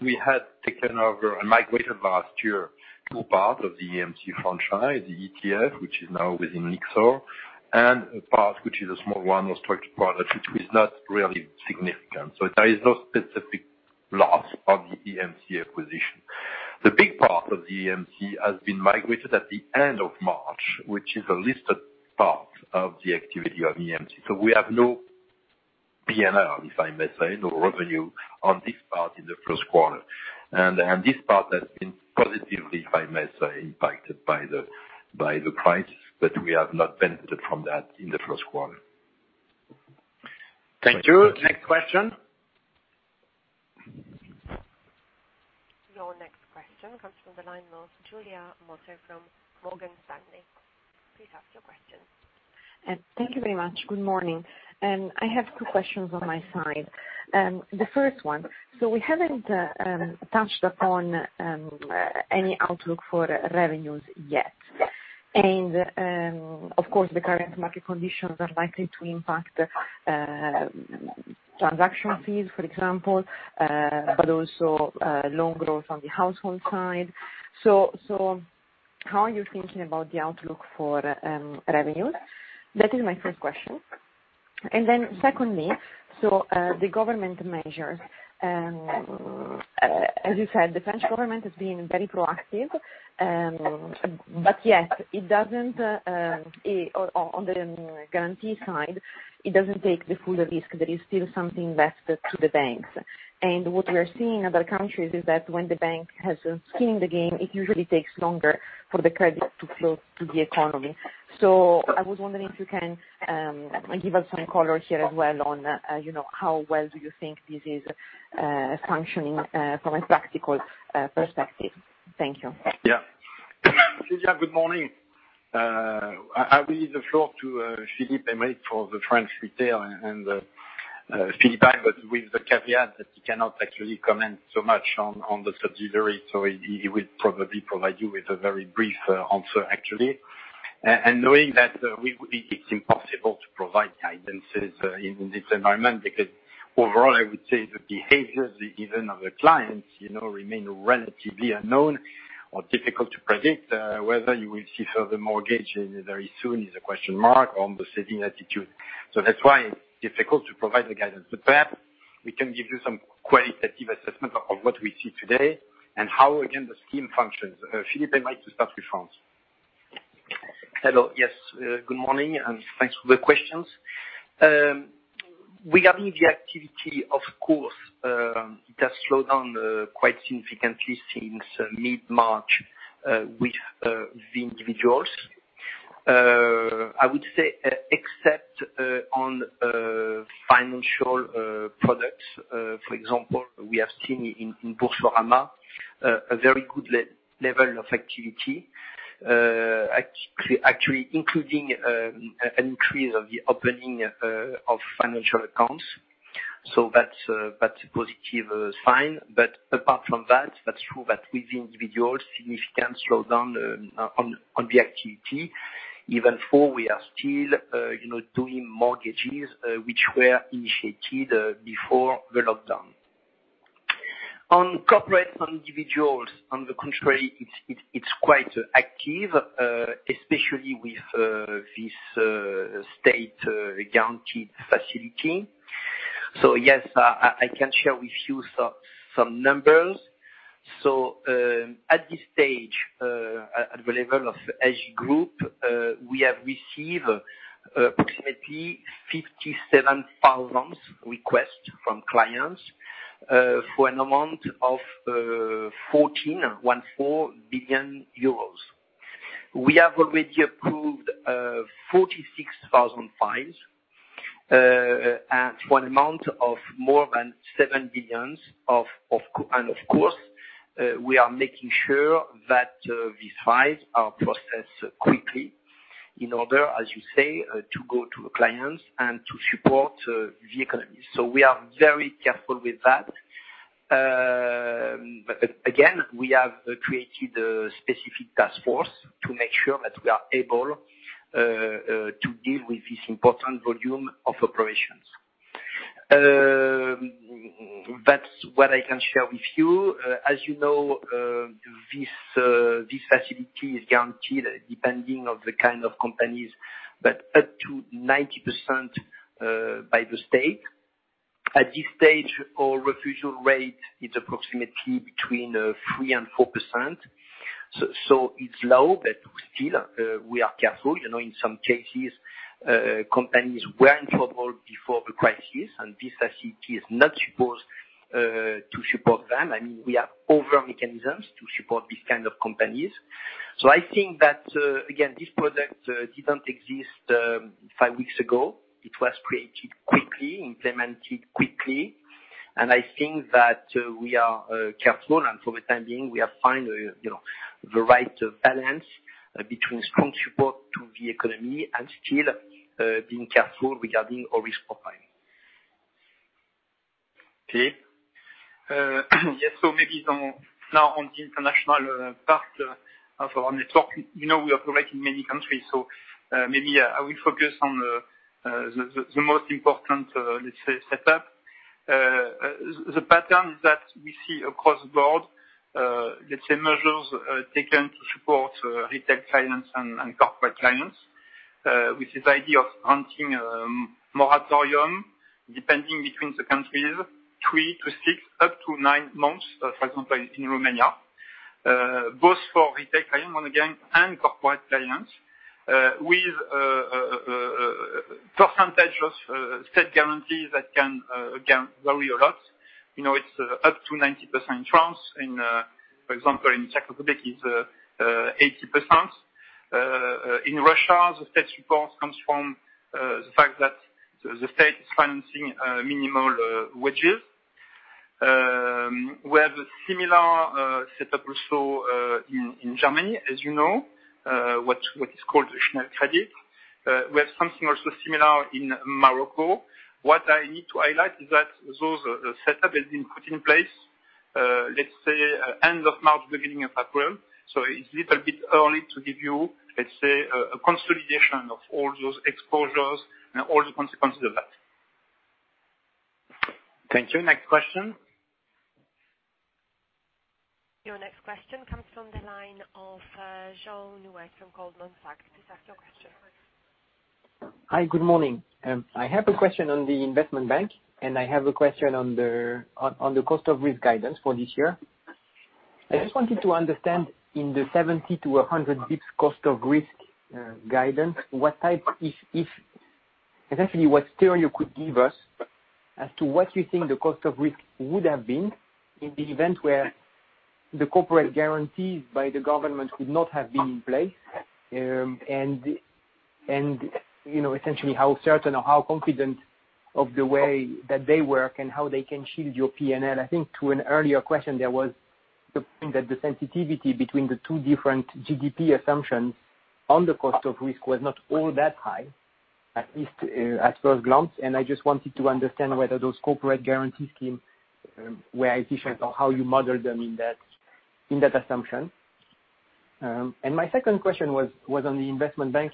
Speaker 8: we had taken over a migration last year, two parts of the EMC franchise, the ETF, which is now within Lyxor, and a part which is a small one, a structured product, which was not really significant. There is no specific loss on the EMC acquisition. The big part of the EMC has been migrated at the end of March, which is a listed part of the activity of EMC. We have no P&L, if I may say, no revenue on this part in the first quarter. This part has been positively, if I may say, impacted by the price, but we have not benefited from that in the first quarter.
Speaker 2: Thank you. Next question.
Speaker 1: Your next question comes from the line of Giulia Miotto from Morgan Stanley. Please ask your question.
Speaker 9: Thank you very much. Good morning. I have two questions on my side. The first one, we haven't touched upon any outlook for revenues yet.
Speaker 10: Yes.
Speaker 9: Of course, the current market conditions are likely to impact transaction fees, for example, but also loan growth on the household side. How are you thinking about the outlook for revenues? That is my first question. Secondly, the government measures, as you said, the French government has been very proactive. Yes, on the guarantee side, it doesn't take the full risk. There is still something vested to the banks. What we are seeing in other countries is that when the bank has skin in the game, it usually takes longer for the credit to flow to the economy. I was wondering if you can give us some color here as well on how well do you think this is functioning from a practical perspective. Thank you.
Speaker 2: Giulia, good morning. I will leave the floor to Philippe for the French retail and Philippe with the caveat that he cannot actually comment so much on the subsidiary, so he will probably provide you with a very brief answer, actually. Knowing that it's impossible to provide guidances in this environment, because overall, I would say the behaviors, even of the clients, remain relatively unknown or difficult to predict. Whether you will see further mortgage very soon is a question mark on the saving attitude. That's why it's difficult to provide the guidance. Perhaps we can give you some qualitative assessment of what we see today and how, again, the scheme functions. Philippe, I invite to start with France.
Speaker 11: Hello. Yes. Good morning. Thanks for the questions. Regarding the activity, of course, it has slowed down quite significantly since mid-March with the individuals. I would say except on financial products, for example, we have seen in Boursorama a very good level of activity, actually including an increase of the opening of financial accounts. That's a positive sign. Apart from that's true that with the individuals, significant slowdown on the activity, even though we are still doing mortgages which were initiated before the lockdown. On corporate and individuals, on the contrary, it's quite active, especially with this state-guaranteed facility. Yes, I can share with you some numbers. At this stage, at the level of SG Group, we have received approximately 57,000 requests from clients for an amount of 14 billion euros. We have already approved 46,000 files at an amount of more than 7 billion. Of course, we are making sure that these files are processed quickly in order, as you say, to go to the clients and to support the economy. We are very careful with that. Again, we have created a specific task force to make sure that we are able to deal with this important volume of operations. That's what I can share with you. As you know, this facility is guaranteed depending of the kind of companies, but up to 90% by the state. At this stage, our refusal rate is approximately between 3%-4%. It's low, but still, we are careful. In some cases, companies were in trouble before the crisis, and this facility is not supposed to support them. We have other mechanisms to support these kind of companies. I think that, again, this product didn't exist five weeks ago. It was created quickly, implemented quickly, and I think that we are careful, and for the time being, we have found the right balance between strong support to the economy and still being careful regarding our risk profile.
Speaker 10: Okay. Yes, maybe now on the international part of our network, you know we operate in many countries, maybe I will focus on the most important, let's say, setup. The pattern that we see across the board, let's say, measures taken to support retail clients and corporate clients, with this idea of granting a moratorium, depending between the countries, three to six, up to nine months, for example, in Romania, both for retail clients, once again, and corporate clients, with a percentage of state guarantees that can vary a lot. It's up to 90% in France. For example, in Czech Republic, it's 80%. In Russia, the state support comes from the fact that the state is financing minimal wages. We have a similar setup also in Germany, as you know, what is called the Schnellkredit. We have something also similar in Morocco. What I need to highlight is that those setup has been put in place, let's say, end of March, beginning of April. It's little bit early to give you, let's say, a consolidation of all those exposures and all the consequences of that.
Speaker 2: Thank you. Next question.
Speaker 1: Your next question comes from the line of Jean from Goldman Sachs. Please ask your question.
Speaker 12: Hi, good morning. I have a question on the investment bank. I have a question on the cost of risk guidance for this year.
Speaker 2: Yes.
Speaker 12: I just wanted to understand in the 70-100 basis points cost of risk guidance, essentially, what theory you could give us as to what you think the cost of risk would have been in the event where the corporate guarantees by the government would not have been in place, and essentially how certain or how confident of the way that they work and how they can shield your P&L. I think to an earlier question, there was the point that the sensitivity between the 2 different GDP assumptions on the cost of risk was not all that high, at least at first glance, and I just wanted to understand whether those corporate guarantee scheme were efficient or how you model them in that assumption. My second question was on the investment bank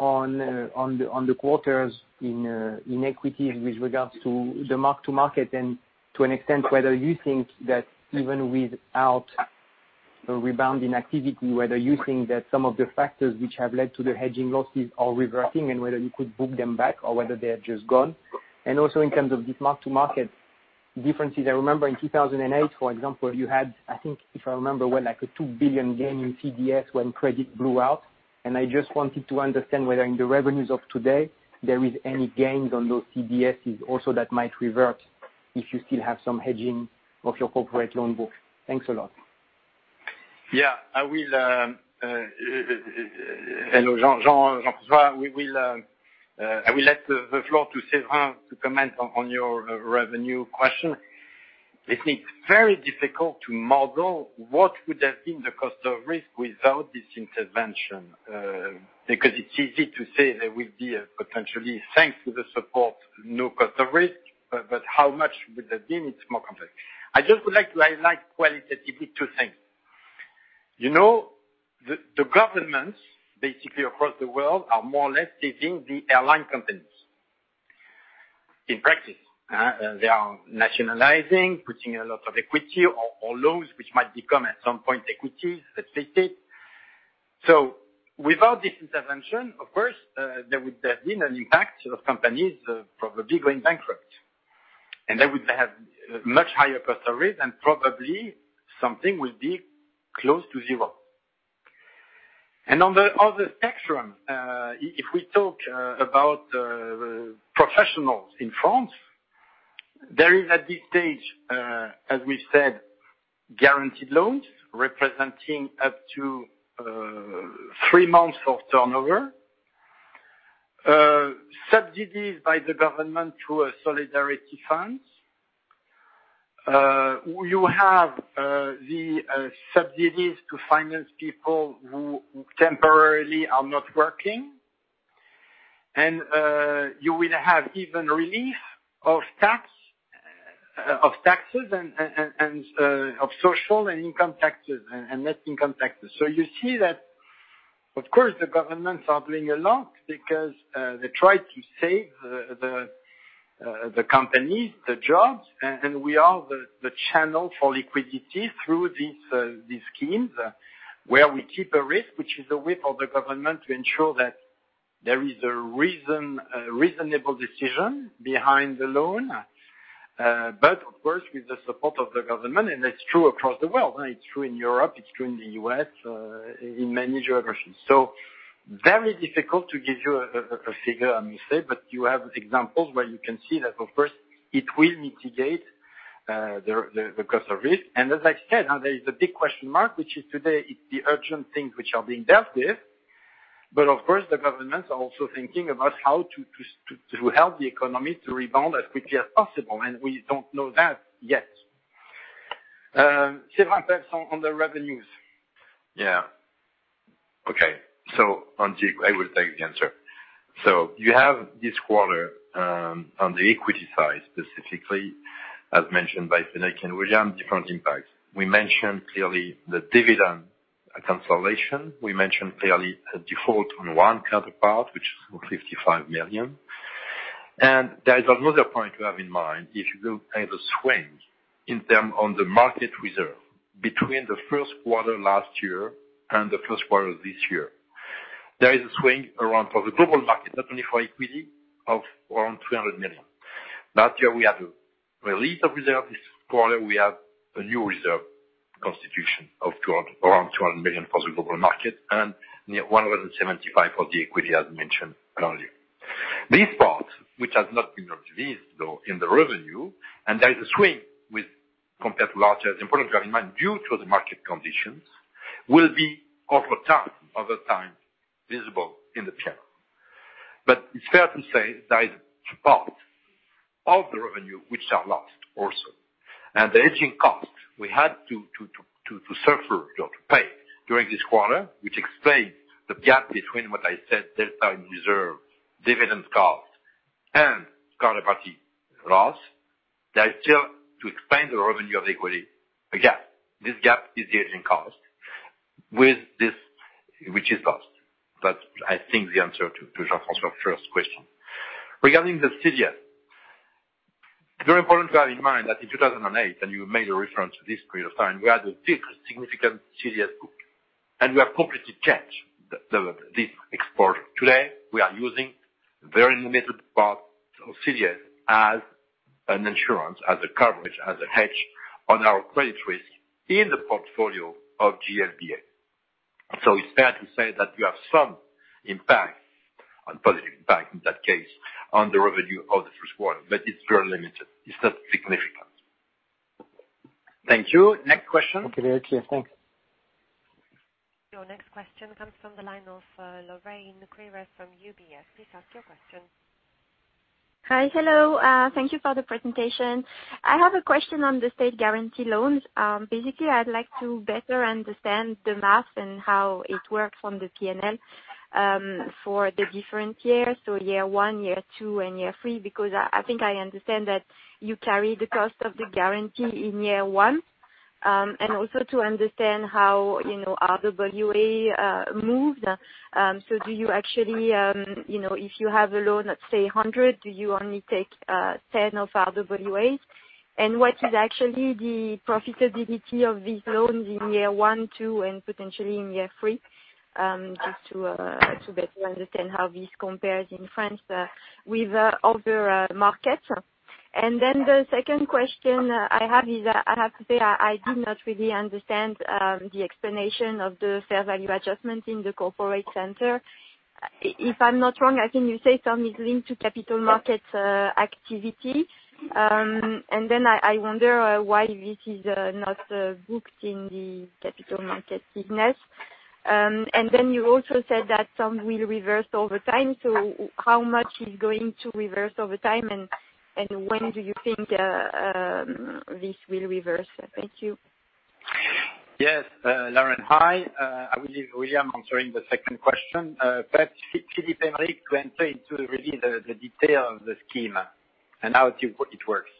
Speaker 12: and on the quarters in equities with regards to the mark to market, and to an extent, whether you think that even without a rebound in activity, whether you think that some of the factors which have led to the hedging losses are reversing, and whether you could book them back or whether they are just gone. Also in terms of this mark to market differences, I remember in 2008, for example, you had, I think if I remember well, like a 2 billion gain in CDS when credit blew out. I just wanted to understand whether in the revenues of today there is any gains on those CDSs also that might revert if you still have some hedging of your corporate loan book. Thanks a lot.
Speaker 2: Yeah. Hello, Jean. I will let the floor to Séverin to comment on your revenue question. I think it's very difficult to model what would have been the cost of risk without this intervention, because it's easy to say there will be potentially, thanks to the support, no cost of risk, but how much would that be? It's more complex. I just would like to highlight qualitatively two things. The governments basically across the world are more or less saving the airline companies. In practice, they are nationalizing, putting a lot of equity or loans which might become, at some point, equity, let's face it. Without this intervention, of course, there would have been an impact of companies probably going bankrupt. They would have much higher cost of risk, and probably something will be close to zero. On the other spectrum, if we talk about professionals in France, there is, at this stage, as we said, guaranteed loans representing up to three months of turnover, subsidies by the government to a solidarity fund. You have the subsidies to finance people who temporarily are not working. You will have even relief of taxes and of social and income taxes and net income taxes. You see that, of course, the governments are doing a lot because they try to save the companies, the jobs, and we are the channel for liquidity through these schemes, where we keep a risk, which is a whip of the government to ensure that there is a reasonable decision behind the loan. Of course, with the support of the government, and it's true across the world, it's true in Europe, it's true in the U.S., in many jurisdictions. Very difficult to give you a figure, I must say, but you have examples where you can see that, of course, it will mitigate the cost of risk. As I said, there is a big question mark, which is today, it's the urgent things which are being dealt with. Of course, the governments are also thinking about how to help the economy to rebound as quickly as possible, and we don't know that yet. Séverin, perhaps on the revenues.
Speaker 8: Okay. Oudéa, I will take the answer. You have this quarter, on the equity side, specifically, as mentioned by Frédéric and William, different impacts. We mentioned clearly the dividend cancellation. We mentioned clearly a default on one counterpart, which is for 55 million. There is another point to have in mind. If you look at the swing in term on the market reserve between the first quarter last year and the first quarter of this year, there is a swing around for the global market, not only for equity, of around 300 million. Last year, we had a release of reserve. This quarter, we have a new reserve constitution of around 200 million for the global market and 175 million for the equity, as mentioned earlier. This part, which has not been observed, though, in the revenue, and there is a swing compared to last year. It's important to have in mind, due to the market conditions, will be over time visible in the P/L. It's fair to say there is part of the revenue which are lost also. The hedging cost we had to suffer, to pay during this quarter, which explains the gap between what I said, delta in reserve, dividend cost, and counterparty loss. There is still, to explain the revenue of equity, a gap. This gap is the hedging cost, which is lost. That's, I think, the answer to Jean-François's first question. Regarding the CDS, very important to have in mind that in 2008, and you made a reference to this period of time, we had a big significant CDS book, and we have completely changed this exposure. Today, we are using very limited part of CDS as an insurance, as a coverage, as a hedge on our credit risk in the portfolio of GLBA. It's fair to say that we have some impact, a positive impact in that case, on the revenue of the first quarter, but it's very limited. It's not significant.
Speaker 2: Thank you. Next question.
Speaker 12: Okay. Thank you.
Speaker 1: Your next question comes from the line of Lorraine Quoirez from UBS. Please ask your question.
Speaker 13: Hi. Hello. Thank you for the presentation. I have a question on the state guarantee loans. Basically, I'd like to better understand the math and how it works from the P&L for the different years. Year one, year two, and year three, because I think I understand that you carry the cost of the guarantee in year one, and also to understand how RWA moved. Do you actually, if you have a loan, let's say 100, do you only take 10 of RWA? And what is actually the profitability of these loans in year one, two, and potentially in year three? Just to better understand how this compares in France with other markets. The second question I have is, I have to say, I did not really understand the explanation of the fair value adjustment in the corporate center. If I'm not wrong, I think you said some is linked to capital markets activity. I wonder why this is not booked in the capital market business. You also said that some will reverse over time, how much is going to reverse over time, and when do you think this will reverse? Thank you.
Speaker 2: Yes. Lorraine, hi. I will leave William answering the second question. Perhaps Philippe Heim can explain to you the detail of the scheme and how it works.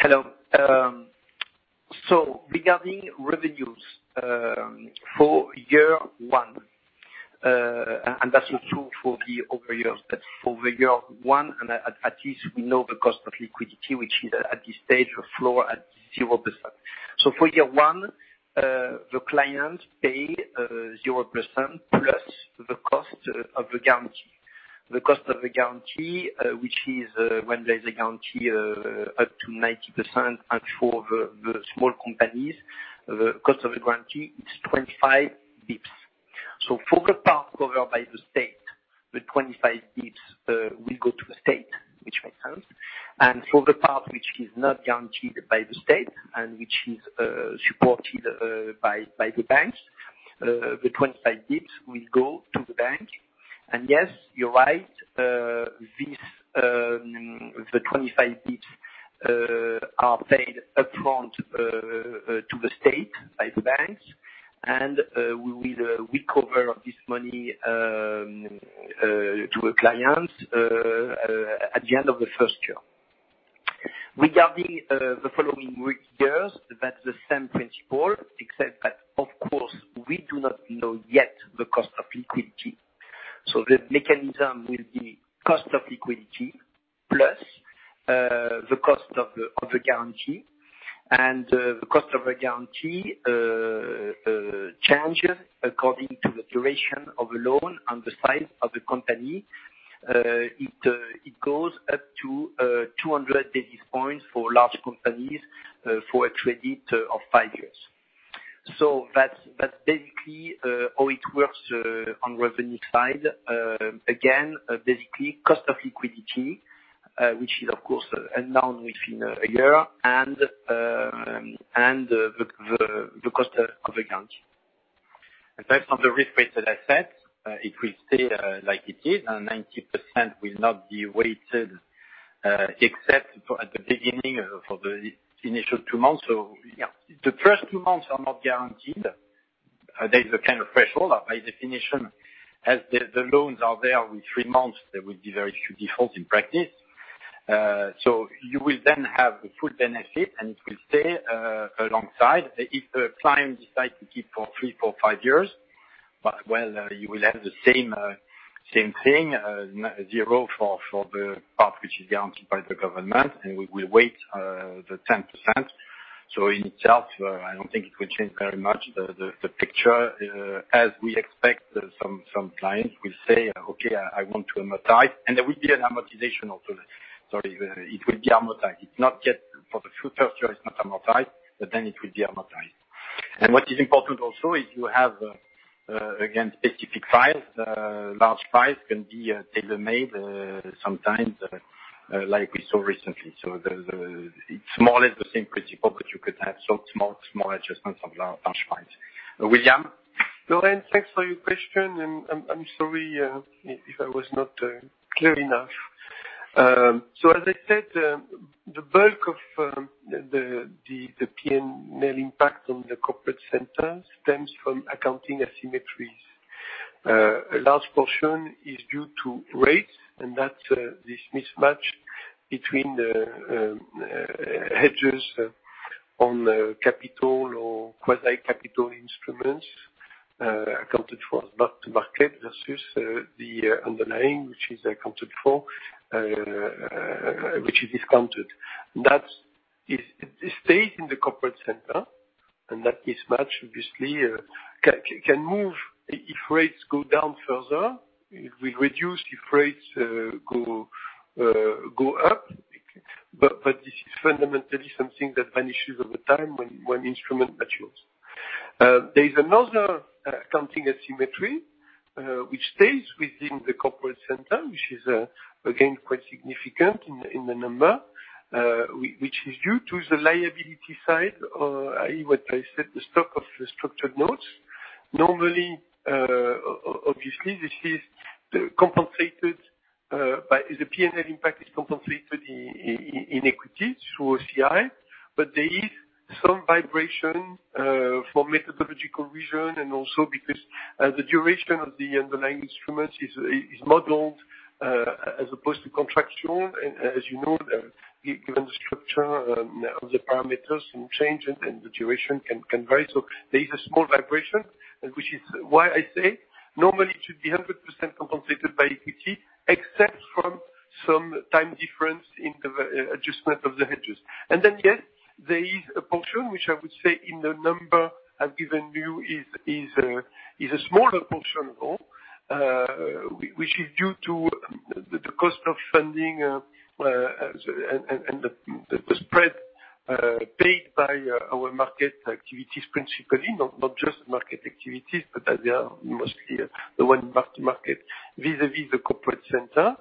Speaker 11: Hello. Regarding revenues, for year one, that's also true for the other years, but for the year one, at least we know the cost of liquidity, which is at this stage a floor at 0%. For year one, the client pay 0% plus the cost of the guarantee. The cost of the guarantee, which is when there's a guarantee up to 90%, and for the small companies, the cost of the guarantee is 25 basis points. For the part covered by the state, the 25 basis points will go to the state, which makes sense. For the part which is not guaranteed by the state, which is supported by the banks, the 25 basis points will go to the bank. Yes, you're right, the 25 basis points are paid upfront to the state by the banks, and we will recover this money to the clients at the end of the first year. Regarding the following years, that's the same principle, except that, of course, we do not know yet the cost of liquidity. The mechanism will be cost of liquidity plus the cost of the guarantee, and the cost of the guarantee changes according to the duration of the loan and the size of the company. It goes up to 200 basis points for large companies for a credit of five years. That's basically how it works on revenue side. Again, basically cost of liquidity, which is of course unknown within a year, and the cost of the guarantee. Based on the risk weight that I said, it will stay like it is, and 90% will not be weighted, except at the beginning for the initial two months. The first two months are not guaranteed. There is a kind of threshold. By definition, as the loans are there, within three months, there will be very few defaults in practice. You will then have a full benefit, and it will stay alongside. If the client decides to keep for three, four, five years, well, you will have the same thing, zero for the part which is guaranteed by the government, and we will weight the 10%. In itself, I don't think it will change very much the picture, as we expect some clients will say, "Okay, I want to amortize." There will be an amortization also. Sorry, it will be amortized. For the first year, it's not amortized, but then it will be amortized. What is important also is you have, again, specific files. Large files can be tailor-made sometimes, like we saw recently. It's more or less the same principle, but you could have some small adjustments of large files. William?
Speaker 3: Lorraine, thanks for your question, and I'm sorry if I was not clear enough. As I said, the bulk of the P&L impact on the corporate center stems from accounting asymmetries. A large portion is due to rates, and that's this mismatch between the hedges on capital or quasi-capital instruments, accounted for as mark to market versus the underlying, which is discounted. That stays in the corporate center, and that mismatch obviously can move if rates go down further. It will reduce if rates go up. This is fundamentally something that vanishes over time when one instrument matures. There is another accounting asymmetry which stays within the corporate center, which is again, quite significant in the number, which is due to the liability side, or what I said, the stock of structured notes. Normally, obviously, the P&L impact is compensated in equity through OCI, but there is some vibration for methodological reason, and also because the duration of the underlying instruments is modeled as opposed to contractual. As you know, given the structure of the parameters can change and the duration can vary. There is a small vibration, which is why I say normally it should be 100% compensated by equity, except for some time difference in the adjustment of the hedges. Yes, there is a portion which I would say in the number I've given you is a smaller portion, though, which is due to the cost of funding and the spread paid by our market activities principally. Not just market activities, but they are mostly the one mark to market vis-à-vis the corporate center.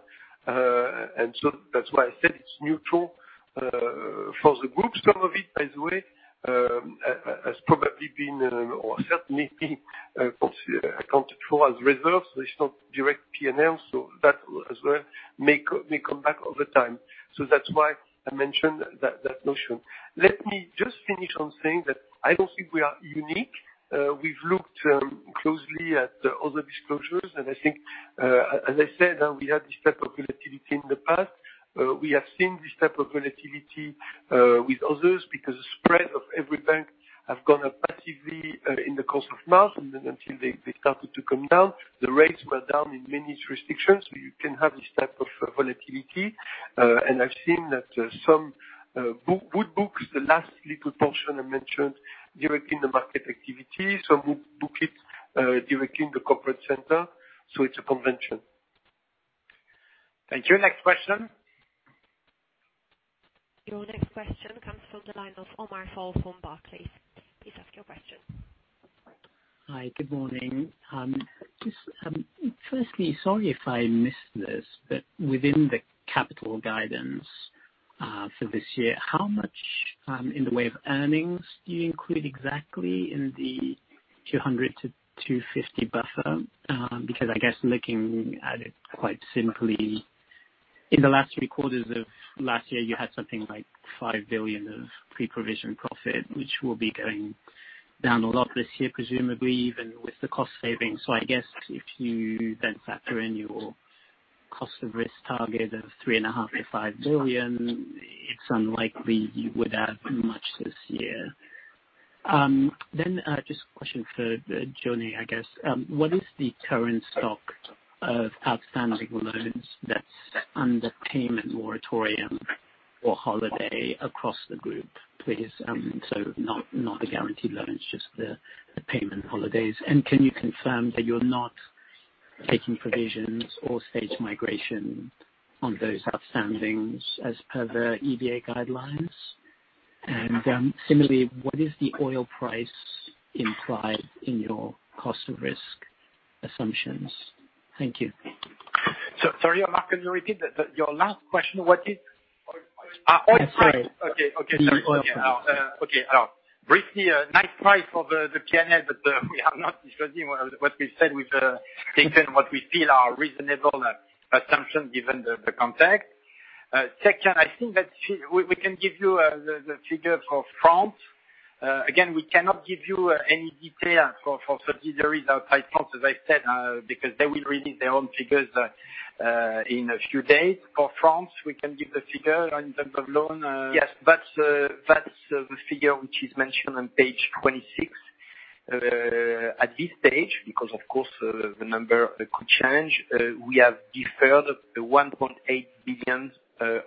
Speaker 3: That's why I said it's neutral for the group. Some of it, by the way, has probably been or certainly been accounted for as reserves. There's no direct P&L, so that as well may come back over time. That's why I mentioned that notion. Let me just finish on saying that I don't think we are unique. We've looked closely at other disclosures, and I think, as I said, we had this type of volatility in the past. We have seen this type of volatility with others because the spread of every bank have gone up massively in the course of March, and then until they started to come down. The rates were down in many jurisdictions, so you can have this type of volatility. I've seen that some good books, the last little portion I mentioned, directing the market activity. Some good books directing the corporate center. It's a convention.
Speaker 2: Thank you. Next question.
Speaker 1: Your next question comes from the line of Omar Fall from Barclays. Please ask your question.
Speaker 14: Hi. Good morning. Firstly, sorry if I missed this, within the capital guidance for this year, how much in the way of earnings do you include exactly in the 200-250 buffer? I guess looking at it quite simply, in the last three quarters of last year, you had something like 5 billion of pre-provision profit, which will be going down a lot this year, presumably even with the cost savings. I guess if you then factor in your cost of risk target of 3.5 billion-5 billion, it's unlikely you would have much this year. Just a question for Jean-Yves, I guess. What is the current stock of outstanding loans that's under payment moratorium or holiday across the group, please? Not the guaranteed loans, just the payment holidays. Can you confirm that you're not taking provisions or stage migration on those outstandings as per the EBA guidelines? Similarly, what is the oil price implied in your cost of risk assumptions? Thank you.
Speaker 2: Sorry, Omar, can you repeat your last question?
Speaker 14: Oil price.
Speaker 2: oil price. Okay.
Speaker 14: Sorry.
Speaker 2: Briefly, nice price for the P&L. We are not discussing what we said. We've taken what we feel are reasonable assumptions given the context. Second, I think that we can give you the figure for France. We cannot give you any detail for subsidiaries outside France, as I said, because they will release their own figures in a few days. For France, we can give the figure in terms of loan. Yes. That's the figure which is mentioned on page 26. At this stage, because of course the number could change, we have deferred 1.8 billion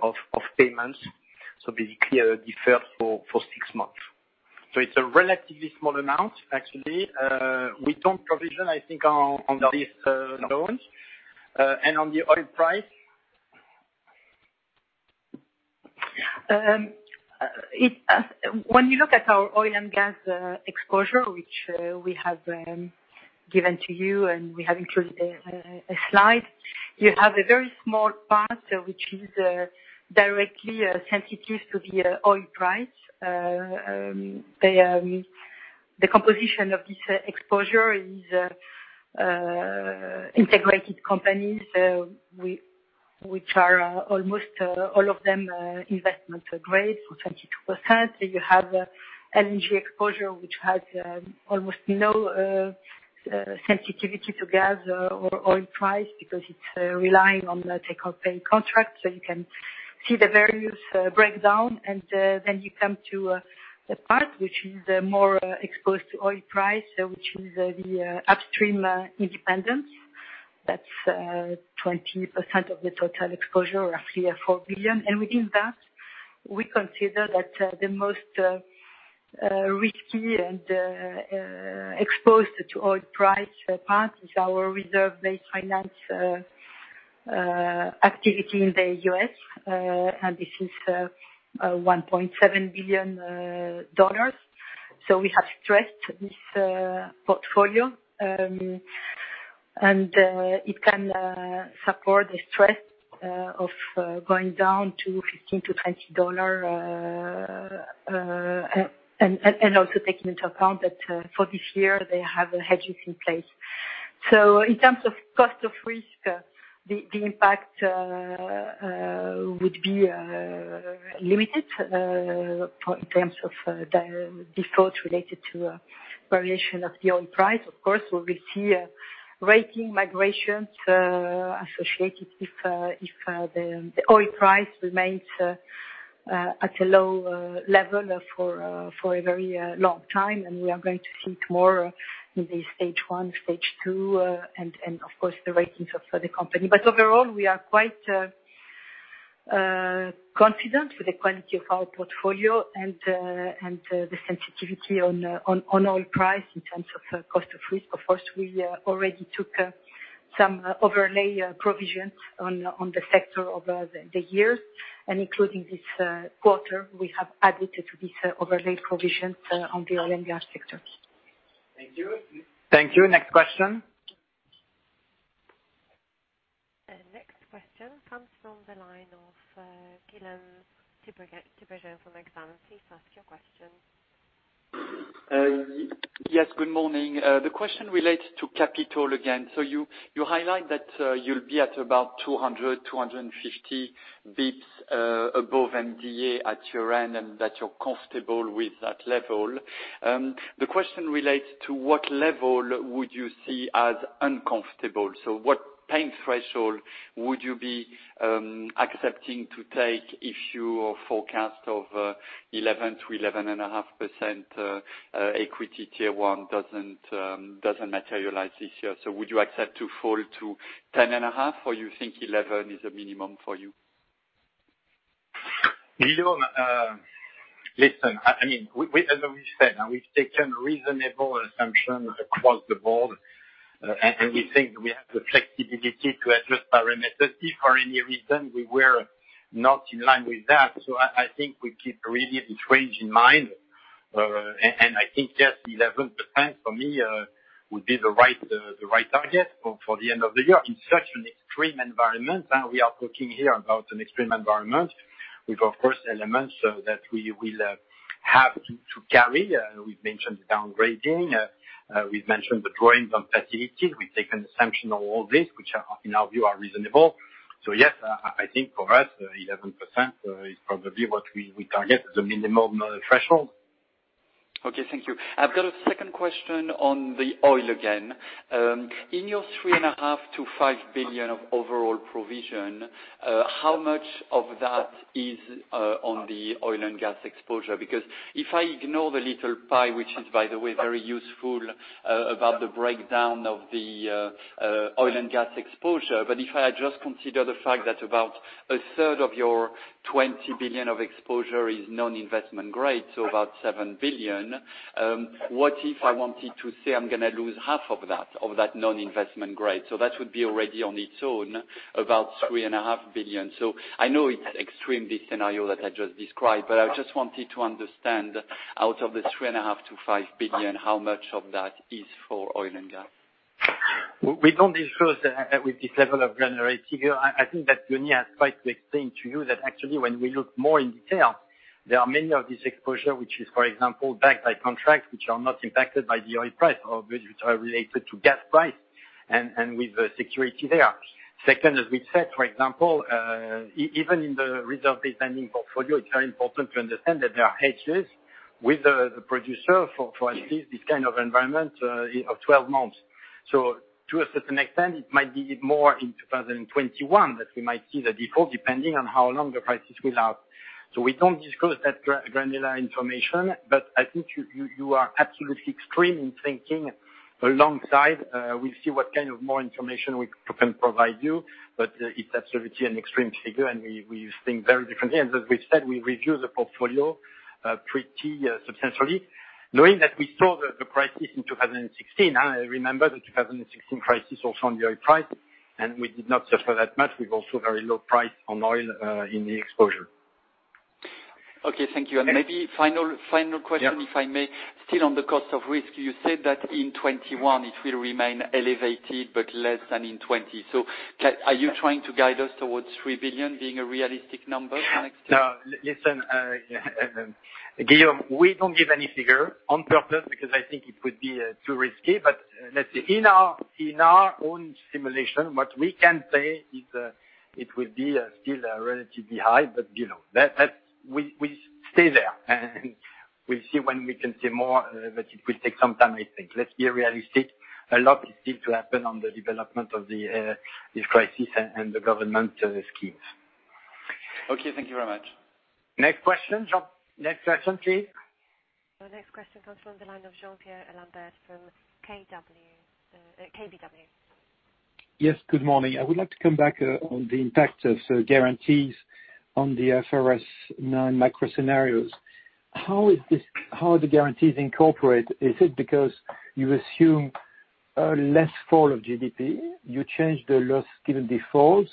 Speaker 2: of payments. Basically, deferred for six months. It's a relatively small amount, actually. We don't provision, I think, on these loans. On the oil price
Speaker 5: When you look at our oil and gas exposure, which we have given to you, and we have included a slide, you have a very small part which is directly sensitive to the oil price. The composition of this exposure is integrated companies, which are almost all of them investment grade, so 22%. You have LNG exposure, which has almost no sensitivity to gas or oil price because it's relying on the take-or-pay contract. You can see the various breakdown, and then you come to the part which is more exposed to oil price, which is the upstream independents. That's 20% of the total exposure, roughly 4 billion. Within that, we consider that the most risky and exposed to oil price part is our reserve-based finance activity in the U.S. This is EUR 1.7 billion. We have stressed this portfolio, and it can support the stress of going down to $15-$20, and also taking into account that for this year they have hedges in place. In terms of cost of risk, the impact would be limited, in terms of defaults related to variation of the oil price. Of course, we will see rating migrations associated if the oil price remains at a low level for a very long time, and we are going to see it more in the stage 1, stage 2, and of course the ratings of the company. Overall, we are quite confident with the quality of our portfolio and the sensitivity on oil price in terms of cost of risk. Of course, we already took some overlay provisions on the sector over the years. Including this quarter, we have added to this overlay provisions on the oil and gas sector.
Speaker 14: Thank you.
Speaker 2: Thank you. Next question.
Speaker 1: Next question comes from the line of Guillaume Tiberghien from Exane. Please ask your question.
Speaker 15: Yes, good morning. The question relates to capital again. You highlight that you'll be at about 200, 250 basis points above MDA at year-end, and that you're comfortable with that level. The question relates to what level would you see as uncomfortable. What pain threshold would you be accepting to take if your forecast of 11%-11.5% Equity Tier 1 doesn't materialize this year? Would you accept to fall to 10.5% or you think 11% is a minimum for you?
Speaker 2: Guillaume, listen, as we've said, we've taken reasonable assumptions across the board. We think we have the flexibility to adjust parameters if for any reason we were not in line with that. I think we keep really this range in mind. I think, yes, 11% for me would be the right target for the end of the year. In such an extreme environment, we are talking here about an extreme environment, with, of course, elements that we will have to carry. We've mentioned the downgrading, we've mentioned the drawings on facilities. We've taken assumption on all this, which in our view are reasonable. Yes, I think for us, 11% is probably what we target as the minimum threshold.
Speaker 15: Okay, thank you. I've got a second question on the oil again. In your 3.5 billion-5 billion of overall provision, how much of that is on the oil and gas exposure? If I ignore the little pie, which is, by the way, very useful about the breakdown of the oil and gas exposure, but if I just consider the fact that about a third of your 20 billion of exposure is non-investment grade, so about 7 billion, what if I wanted to say I'm going to lose half of that non-investment grade? That would be already on its own, about 3.5 billion. I know it's extreme, this scenario that I just described, but I just wanted to understand, out of the 3.5 billion-5 billion, how much of that is for oil and gas?
Speaker 2: We don't disclose with this level of granularity here. I think that Jean-Yves has tried to explain to you that actually, when we look more in detail, there are many of these exposure, which is, for example, backed by contracts, which are not impacted by the oil price, or which are related to gas price, and with security there. Second, as we said, for example, even in the reserve-based lending portfolio, it's very important to understand that there are hedges with the producer for at least this kind of environment of 12 months. To a certain extent, it might be more in 2021 that we might see the default, depending on how long the crisis will last. We don't disclose that granular information, but I think you are absolutely extreme in thinking. We'll see what kind of more information we can provide you. It's absolutely an extreme figure and we think very differently. As we've said, we review the portfolio pretty substantially, knowing that we saw the crisis in 2016. I remember the 2016 crisis also on the oil price. We did not suffer that much. We've also very low price on oil in the exposure.
Speaker 15: Okay, thank you. Maybe final question, if I may. Still on the cost of risk, you said that in 2021 it will remain elevated but less than in 2020. Are you trying to guide us towards 3 billion being a realistic number for next year?
Speaker 2: No. Listen, Guillaume, we don't give any figure on purpose because I think it would be too risky. Let's say, in our own simulation, what we can say is it will be still relatively high, but below. We stay there, we'll see when we can say more, but it will take some time, I think. Let's be realistic. A lot is still to happen on the development of this crisis and the government schemes.
Speaker 15: Okay, thank you very much.
Speaker 2: Next question. Next question, please.
Speaker 1: The next question comes from the line of Jean-Pierre Lambert from KBW.
Speaker 16: Yes, good morning. I would like to come back on the impact of guarantees on the IFRS 9 macro scenarios. How are the guarantees incorporated? Is it because you assume a less fall of GDP, you change the Loss Given Defaults,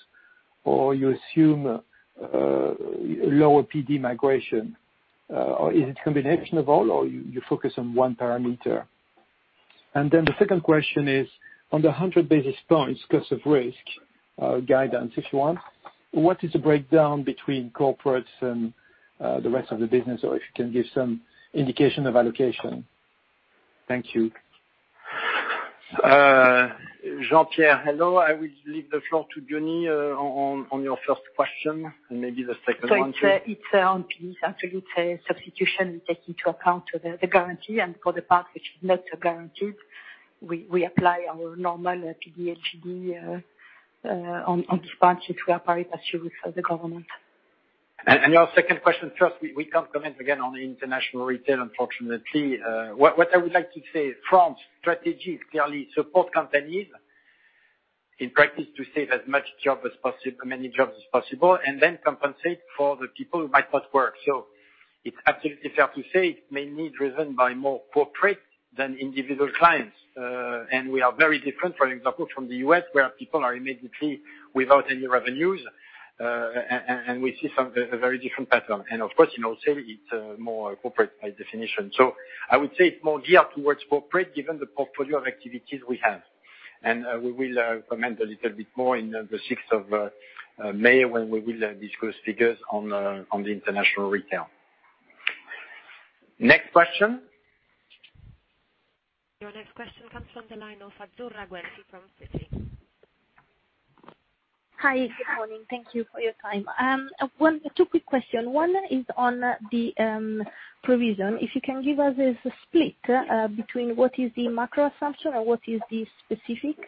Speaker 16: or you assume lower PD migration? Or is it combination of all, or you focus on one parameter? The second question is, on the 100 basis points cost of risk guidance, if you want, what is the breakdown between corporates and the rest of the business, or if you can give some indication of allocation. Thank you.
Speaker 2: Jean-Pierre, hello. I will leave the floor to Jean-Yves on your first question, and maybe the second one too.
Speaker 5: It's absolutely substitution take into account the guarantee, and for the part which is not guaranteed, we apply our normal PD LGD on this part, which we are part assured for the government.
Speaker 2: Your second question first, we can't comment again on the international retail, unfortunately. What I would like to say, France strategy is clearly support companies in practice to save as many jobs as possible, and then compensate for the people who might not work. It's absolutely fair to say it's mainly driven by more corporate than individual clients. We are very different, for example, from the U.S., where people are immediately without any revenues. We see a very different pattern. Of course, in retail it's more corporate by definition. I would say it's more geared towards corporate given the portfolio of activities we have. We will comment a little bit more in the sixth of May when we will discuss figures on the international retail. Next question.
Speaker 1: Your next question comes from the line of Azzurra Guelfi from Citi.
Speaker 17: Hi. Good morning. Thank you for your time. Two quick question. One is on the provision, if you can give us a split between what is the macro assumption and what is the specific,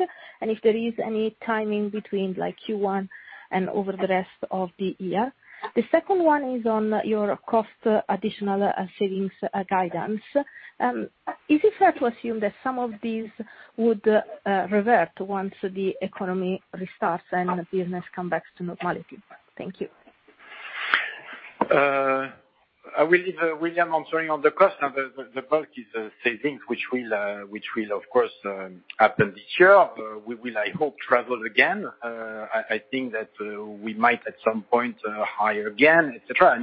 Speaker 17: and if there is any timing between Q1 and over the rest of the year. The second one is on your cost additional savings guidance. Is it fair to assume that some of these would revert once the economy restarts and business comes back to normality? Thank you.
Speaker 2: I will leave William answering on the cost. No, the bulk is savings, which will of course happen this year. We will, I hope, travel again. I think that we might, at some point, hire again, et cetera.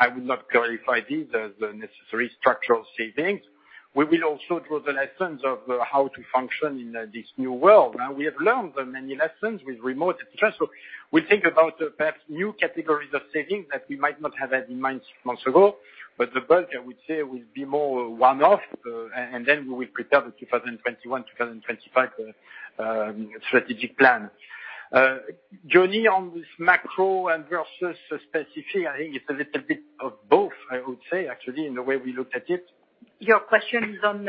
Speaker 2: I would not clarify this as the necessary structural savings. We will also draw the lessons of how to function in this new world. Now, we have learned many lessons with remote, et cetera. We think about perhaps new categories of savings that we might not have had in mind six months ago, but the bulk, I would say, will be more one-off, and then we will prepare the 2021/2025 strategic plan. Jean-Yves, on this macro and versus specific, I think it's a little bit of both, I would say, actually, in the way we look at it.
Speaker 5: Your question is on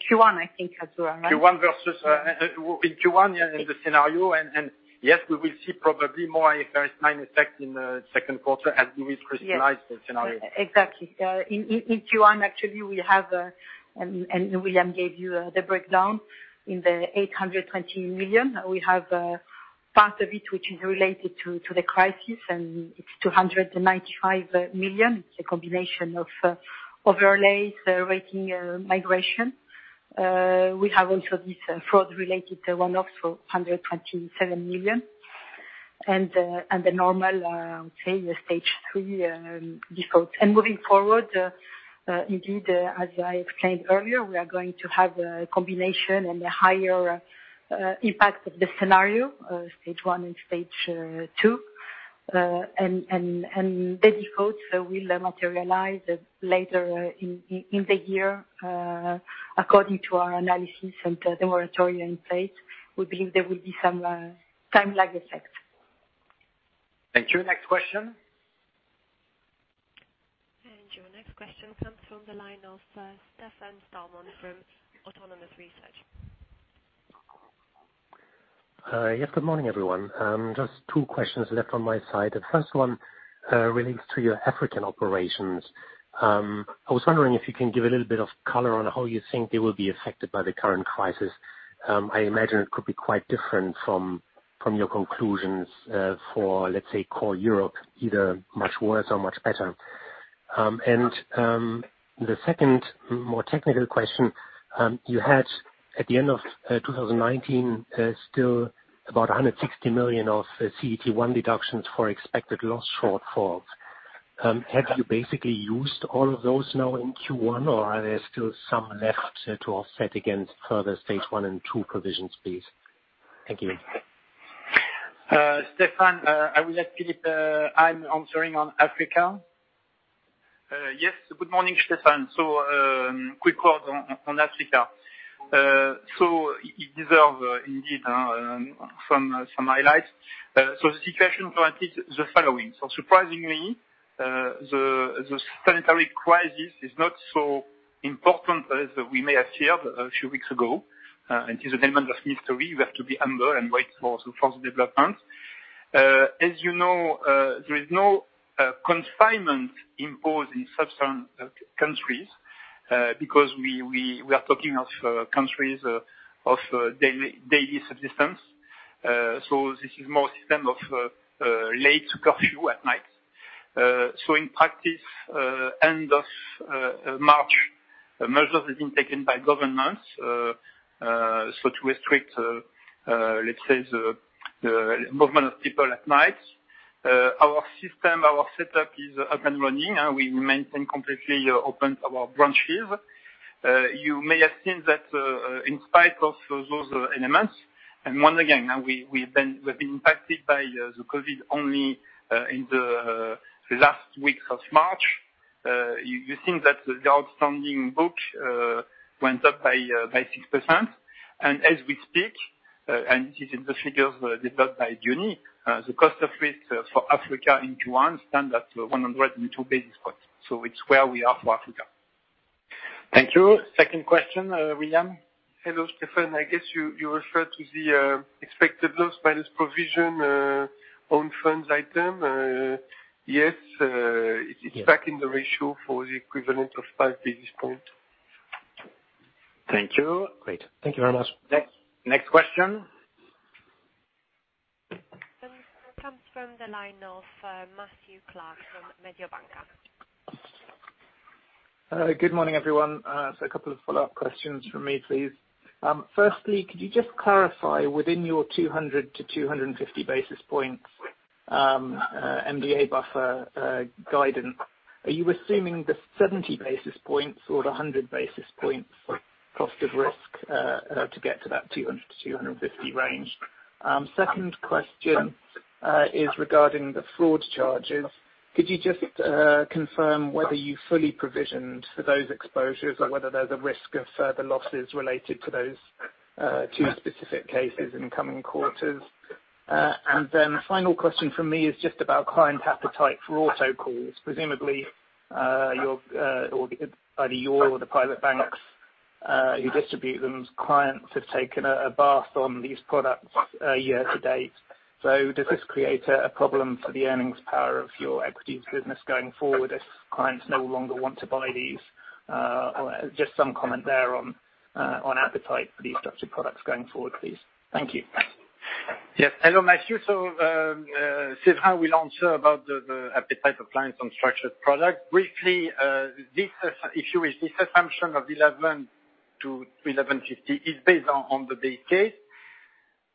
Speaker 5: Q1, I think, Azzurra, right?
Speaker 2: In Q1, yeah, in the scenario. Yes, we will see probably more IFRS 9 effect in the second quarter as we crystallize the scenario.
Speaker 5: Exactly. In Q1, actually, we have, and William gave you the breakdown in the 820 million, we have part of it which is related to the crisis, and it's 295 million. It's a combination of overlays, rating migration. We have also this fraud-related one-off, so 127 million. The normal, I would say, the stage 3 defaults. Moving forward, indeed, as I explained earlier, we are going to have a combination and a higher impact of the scenario, stage 1 and stage 2. The defaults will materialize later in the year, according to our analysis and the moratorium in place. We believe there will be some time lag effect.
Speaker 2: Thank you. Next question.
Speaker 1: Your next question comes from the line of Stefan Stalmann from Autonomous Research.
Speaker 18: Yes, good morning, everyone. Just two questions left on my side. The first one relates to your African operations. I was wondering if you can give a little bit of color on how you think they will be affected by the current crisis. I imagine it could be quite different from your conclusions for, let's say, core Europe, either much worse or much better. The second more technical question, you had at the end of 2019, still about 160 million of CET1 deductions for expected loss shortfalls. Have you basically used all of those now in Q1, or are there still some left to offset against further stage one and two provisions, please? Thank you.
Speaker 2: Stefan, I will let Philippe answer on Africa.
Speaker 11: Yes. Good morning, Stefan. Quick word on Africa. It deserves indeed some highlights. The situation for Africa is the following, surprisingly, the sanitary crisis is not so important as we may have feared a few weeks ago. This is a element of history. We have to be humble and wait for further development. As you know, there is no confinement imposed in Sub-Saharan countries, because we are talking of countries of daily subsistence. This is more a system of late curfew at night. In practice, end of March, measures have been taken by governments, to restrict, let's say, the movement of people at night. Our system, our setup is up and running, and we maintain completely open our branches. You may have seen that in spite of those elements, and one again, we've been impacted by the COVID only in the last weeks of March. You think that the outstanding book went up by 6%. As we speak, and this is in the figures developed by Jean-Yves, the cost of risk for Africa in Q1 stands at 102 basis points. It's where we are for Africa.
Speaker 2: Thank you. Second question, William.
Speaker 3: Hello, Stefan, I guess you referred to the expected loss by this provision on funds item. Yes, it's back in the ratio for the equivalent of five basis points.
Speaker 2: Thank you.
Speaker 18: Great. Thank you very much.
Speaker 2: Next question.
Speaker 1: Next comes from the line of Matthew Clark from Mediobanca.
Speaker 19: Good morning, everyone. A couple of follow-up questions from me, please. Firstly, could you just clarify within your 200 to 250 basis points MDA buffer guidance, are you assuming the 70 basis points or the 100 basis points cost of risk to get to that 200 to 250 range? Second question is regarding the fraud charges. Could you just confirm whether you fully provisioned for those exposures or whether there's a risk of further losses related to those two specific cases in coming quarters? Final question from me is just about client appetite for autocalls. Presumably, either you or the private banks who distribute them, clients have taken a bath on these products year to date. Does this create a problem for the earnings power of your equities business going forward if clients no longer want to buy these? Just some comment there on appetite for these structured products going forward, please. Thank you.
Speaker 2: Yes. Hello, Matthew. Séverin will answer about the appetite of clients on structured product. Briefly, if you wish this assumption of 1,100 to 1,150 is based on the base case.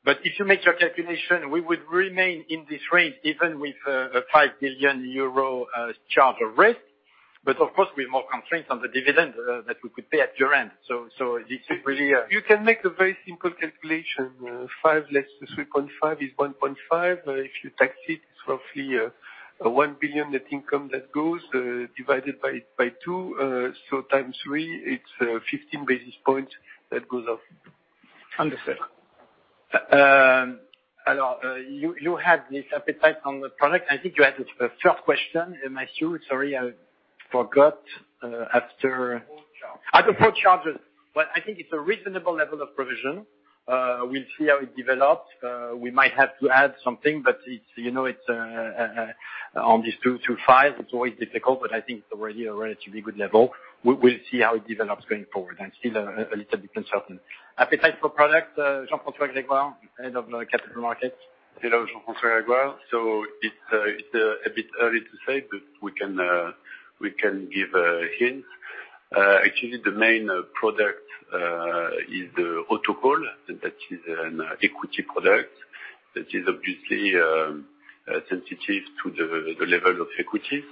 Speaker 2: If you make your calculation, we would remain in this range even with a 5 billion euro charge of risk. Of course, with more constraints on the dividend that we could pay at your end.
Speaker 3: You can make a very simple calculation. 5 less 3.5 is 1.5. If you tax it's roughly 1 billion net income that goes, divided by two, so times 3, it's 15 basis points that goes off.
Speaker 19: Understood.
Speaker 2: You had this appetite on the product. I think you had a third question, Matthew. Sorry, I forgot after-
Speaker 19: Other fraud charges.
Speaker 2: Other fraud charges. I think it's a reasonable level of provision. We'll see how it develops. We might have to add something, but on these two to five, it's always difficult, but I think it's already a relatively good level. We'll see how it develops going forward. I'm still a little bit uncertain. Appetite for product, Jean-François Grégoire, Head of Capital Markets.
Speaker 20: Hello, Jean-François Grégoire. It's a bit early to say, but we can give a hint. Actually, the main product is the autocall. That is an equity product that is obviously sensitive to the level of equity.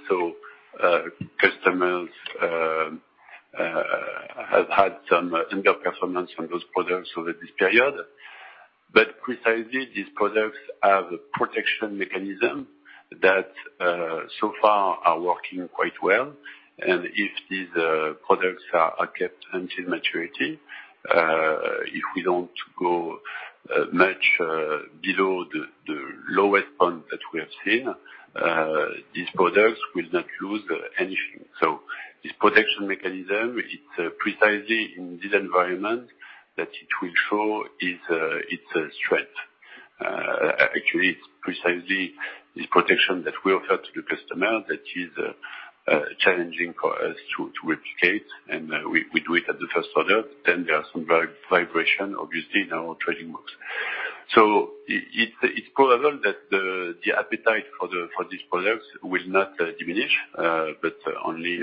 Speaker 20: Customers have had some underperformance on those products over this period. Precisely, these products have a protection mechanism that so far are working quite well. If these products are kept until maturity, if we don't go much below the lowest point that we have seen, these products will not lose anything. This protection mechanism, it's precisely in this environment that it will show its strength. Actually, it's precisely this protection that we offer to the customer that is challenging for us to educate, and we do it at the first product. There are some variations, obviously, in our trading books. It's probable that the appetite for these products will not diminish, but only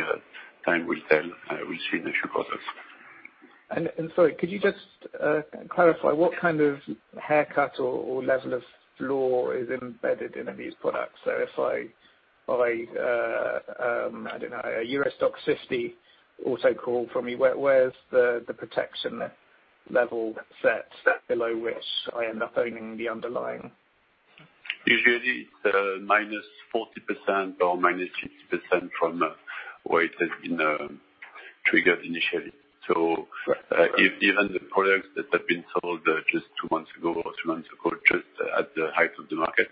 Speaker 20: time will tell. We'll see in a few quarters.
Speaker 19: Sorry, could you just clarify what kind of haircut or level of floor is embedded in these products? If I buy, I don't know, a EURO STOXX 50 autocall from you, where's the protection level set below which I end up owning the underlying?
Speaker 20: Usually it's -40% or -60% from where it has been triggered initially. Even the products that have been sold just two months ago or three months ago, just at the height of the market,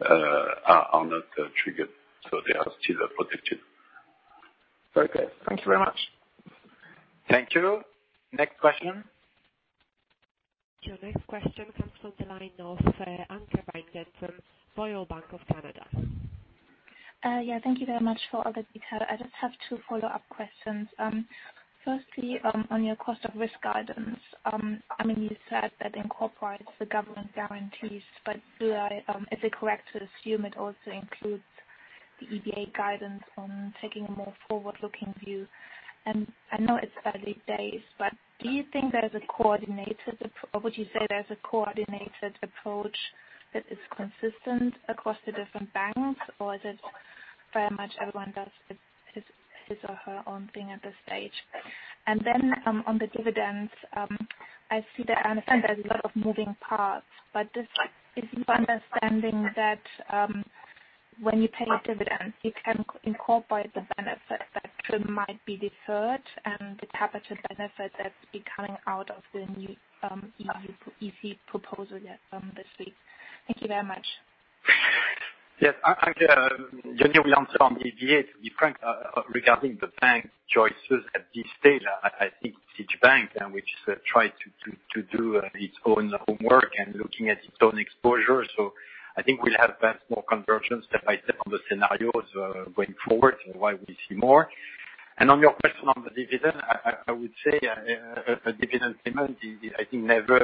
Speaker 20: are not triggered, so they are still protected.
Speaker 19: Very good. Thank you very much.
Speaker 2: Thank you. Next question.
Speaker 1: Your next question comes from the line of Anke Reingen from Royal Bank of Canada.
Speaker 21: Thank you very much for all the detail. I just have two follow-up questions. Firstly, on your cost of risk guidance, you said that incorporates the government guarantees, but is it correct to assume it also includes the EBA guidance on taking a more forward-looking view? I know it's early days, but would you say there's a coordinated approach that is consistent across the different banks, or is it very much everyone does his or her own thing at this stage? On the dividends, I understand there's a lot of moving parts, but just is it my understanding that when you pay dividends, you can incorporate the benefits that might be deferred and the capital benefits that will be coming out of the new EC proposal yet this week? Thank you very much.
Speaker 2: Yes. Anke, Jean-Yves answered on EBA. To be frank, regarding the bank choices at this stage, I think each bank now is trying to do its own homework and looking at its own exposure. I think we'll have perhaps more convergence step by step on the scenarios going forward, why we see more. On your question on the dividend, I would say a dividend payment is, I think, never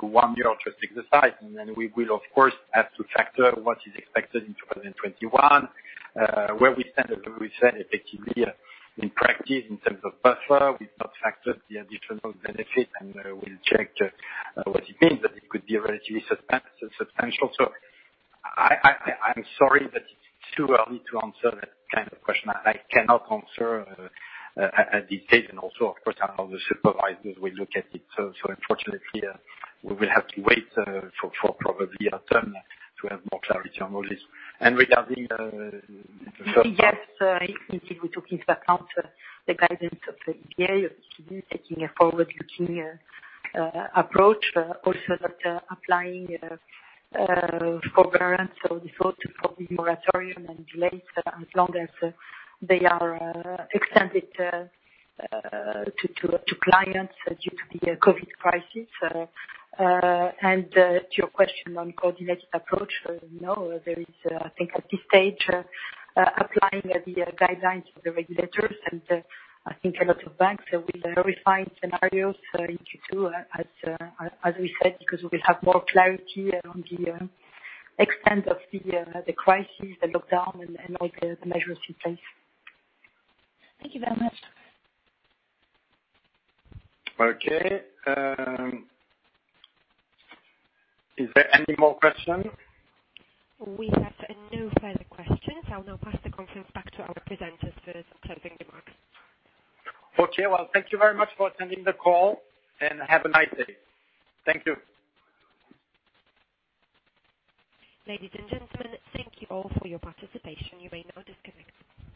Speaker 2: one-year exercise. We will, of course, have to factor what is expected in 2021, where we stand, as we said, effectively in practice in terms of buffer, we've not factored the additional benefit, and we'll check what it means, but it could be relatively substantial. I'm sorry, but it's too early to answer that kind of question. I cannot answer at this stage, and also, of course, all the supervisors will look at it. Unfortunately, we will have to wait for probably autumn to have more clarity on all this.
Speaker 5: Yes, I think we took into account the guidance of the EBA, obviously taking a forward-looking approach. That applying forbearance or default for the moratorium and delays as long as they are extended to clients due to the COVID crisis. To your question on coordinated approach, no, there is, I think at this stage, applying the guidelines of the regulators, and I think a lot of banks will refine scenarios in Q2, as we said, because we will have more clarity on the extent of the crisis, the lockdown, and all the measures in place.
Speaker 21: Thank you very much.
Speaker 2: Okay. Is there any more question?
Speaker 1: We have no further questions. I'll now pass the conference back to our presenters for some closing remarks.
Speaker 2: Okay. Well, thank you very much for attending the call. Have a nice day. Thank you.
Speaker 1: Ladies and gentlemen, thank you all for your participation. You may now disconnect.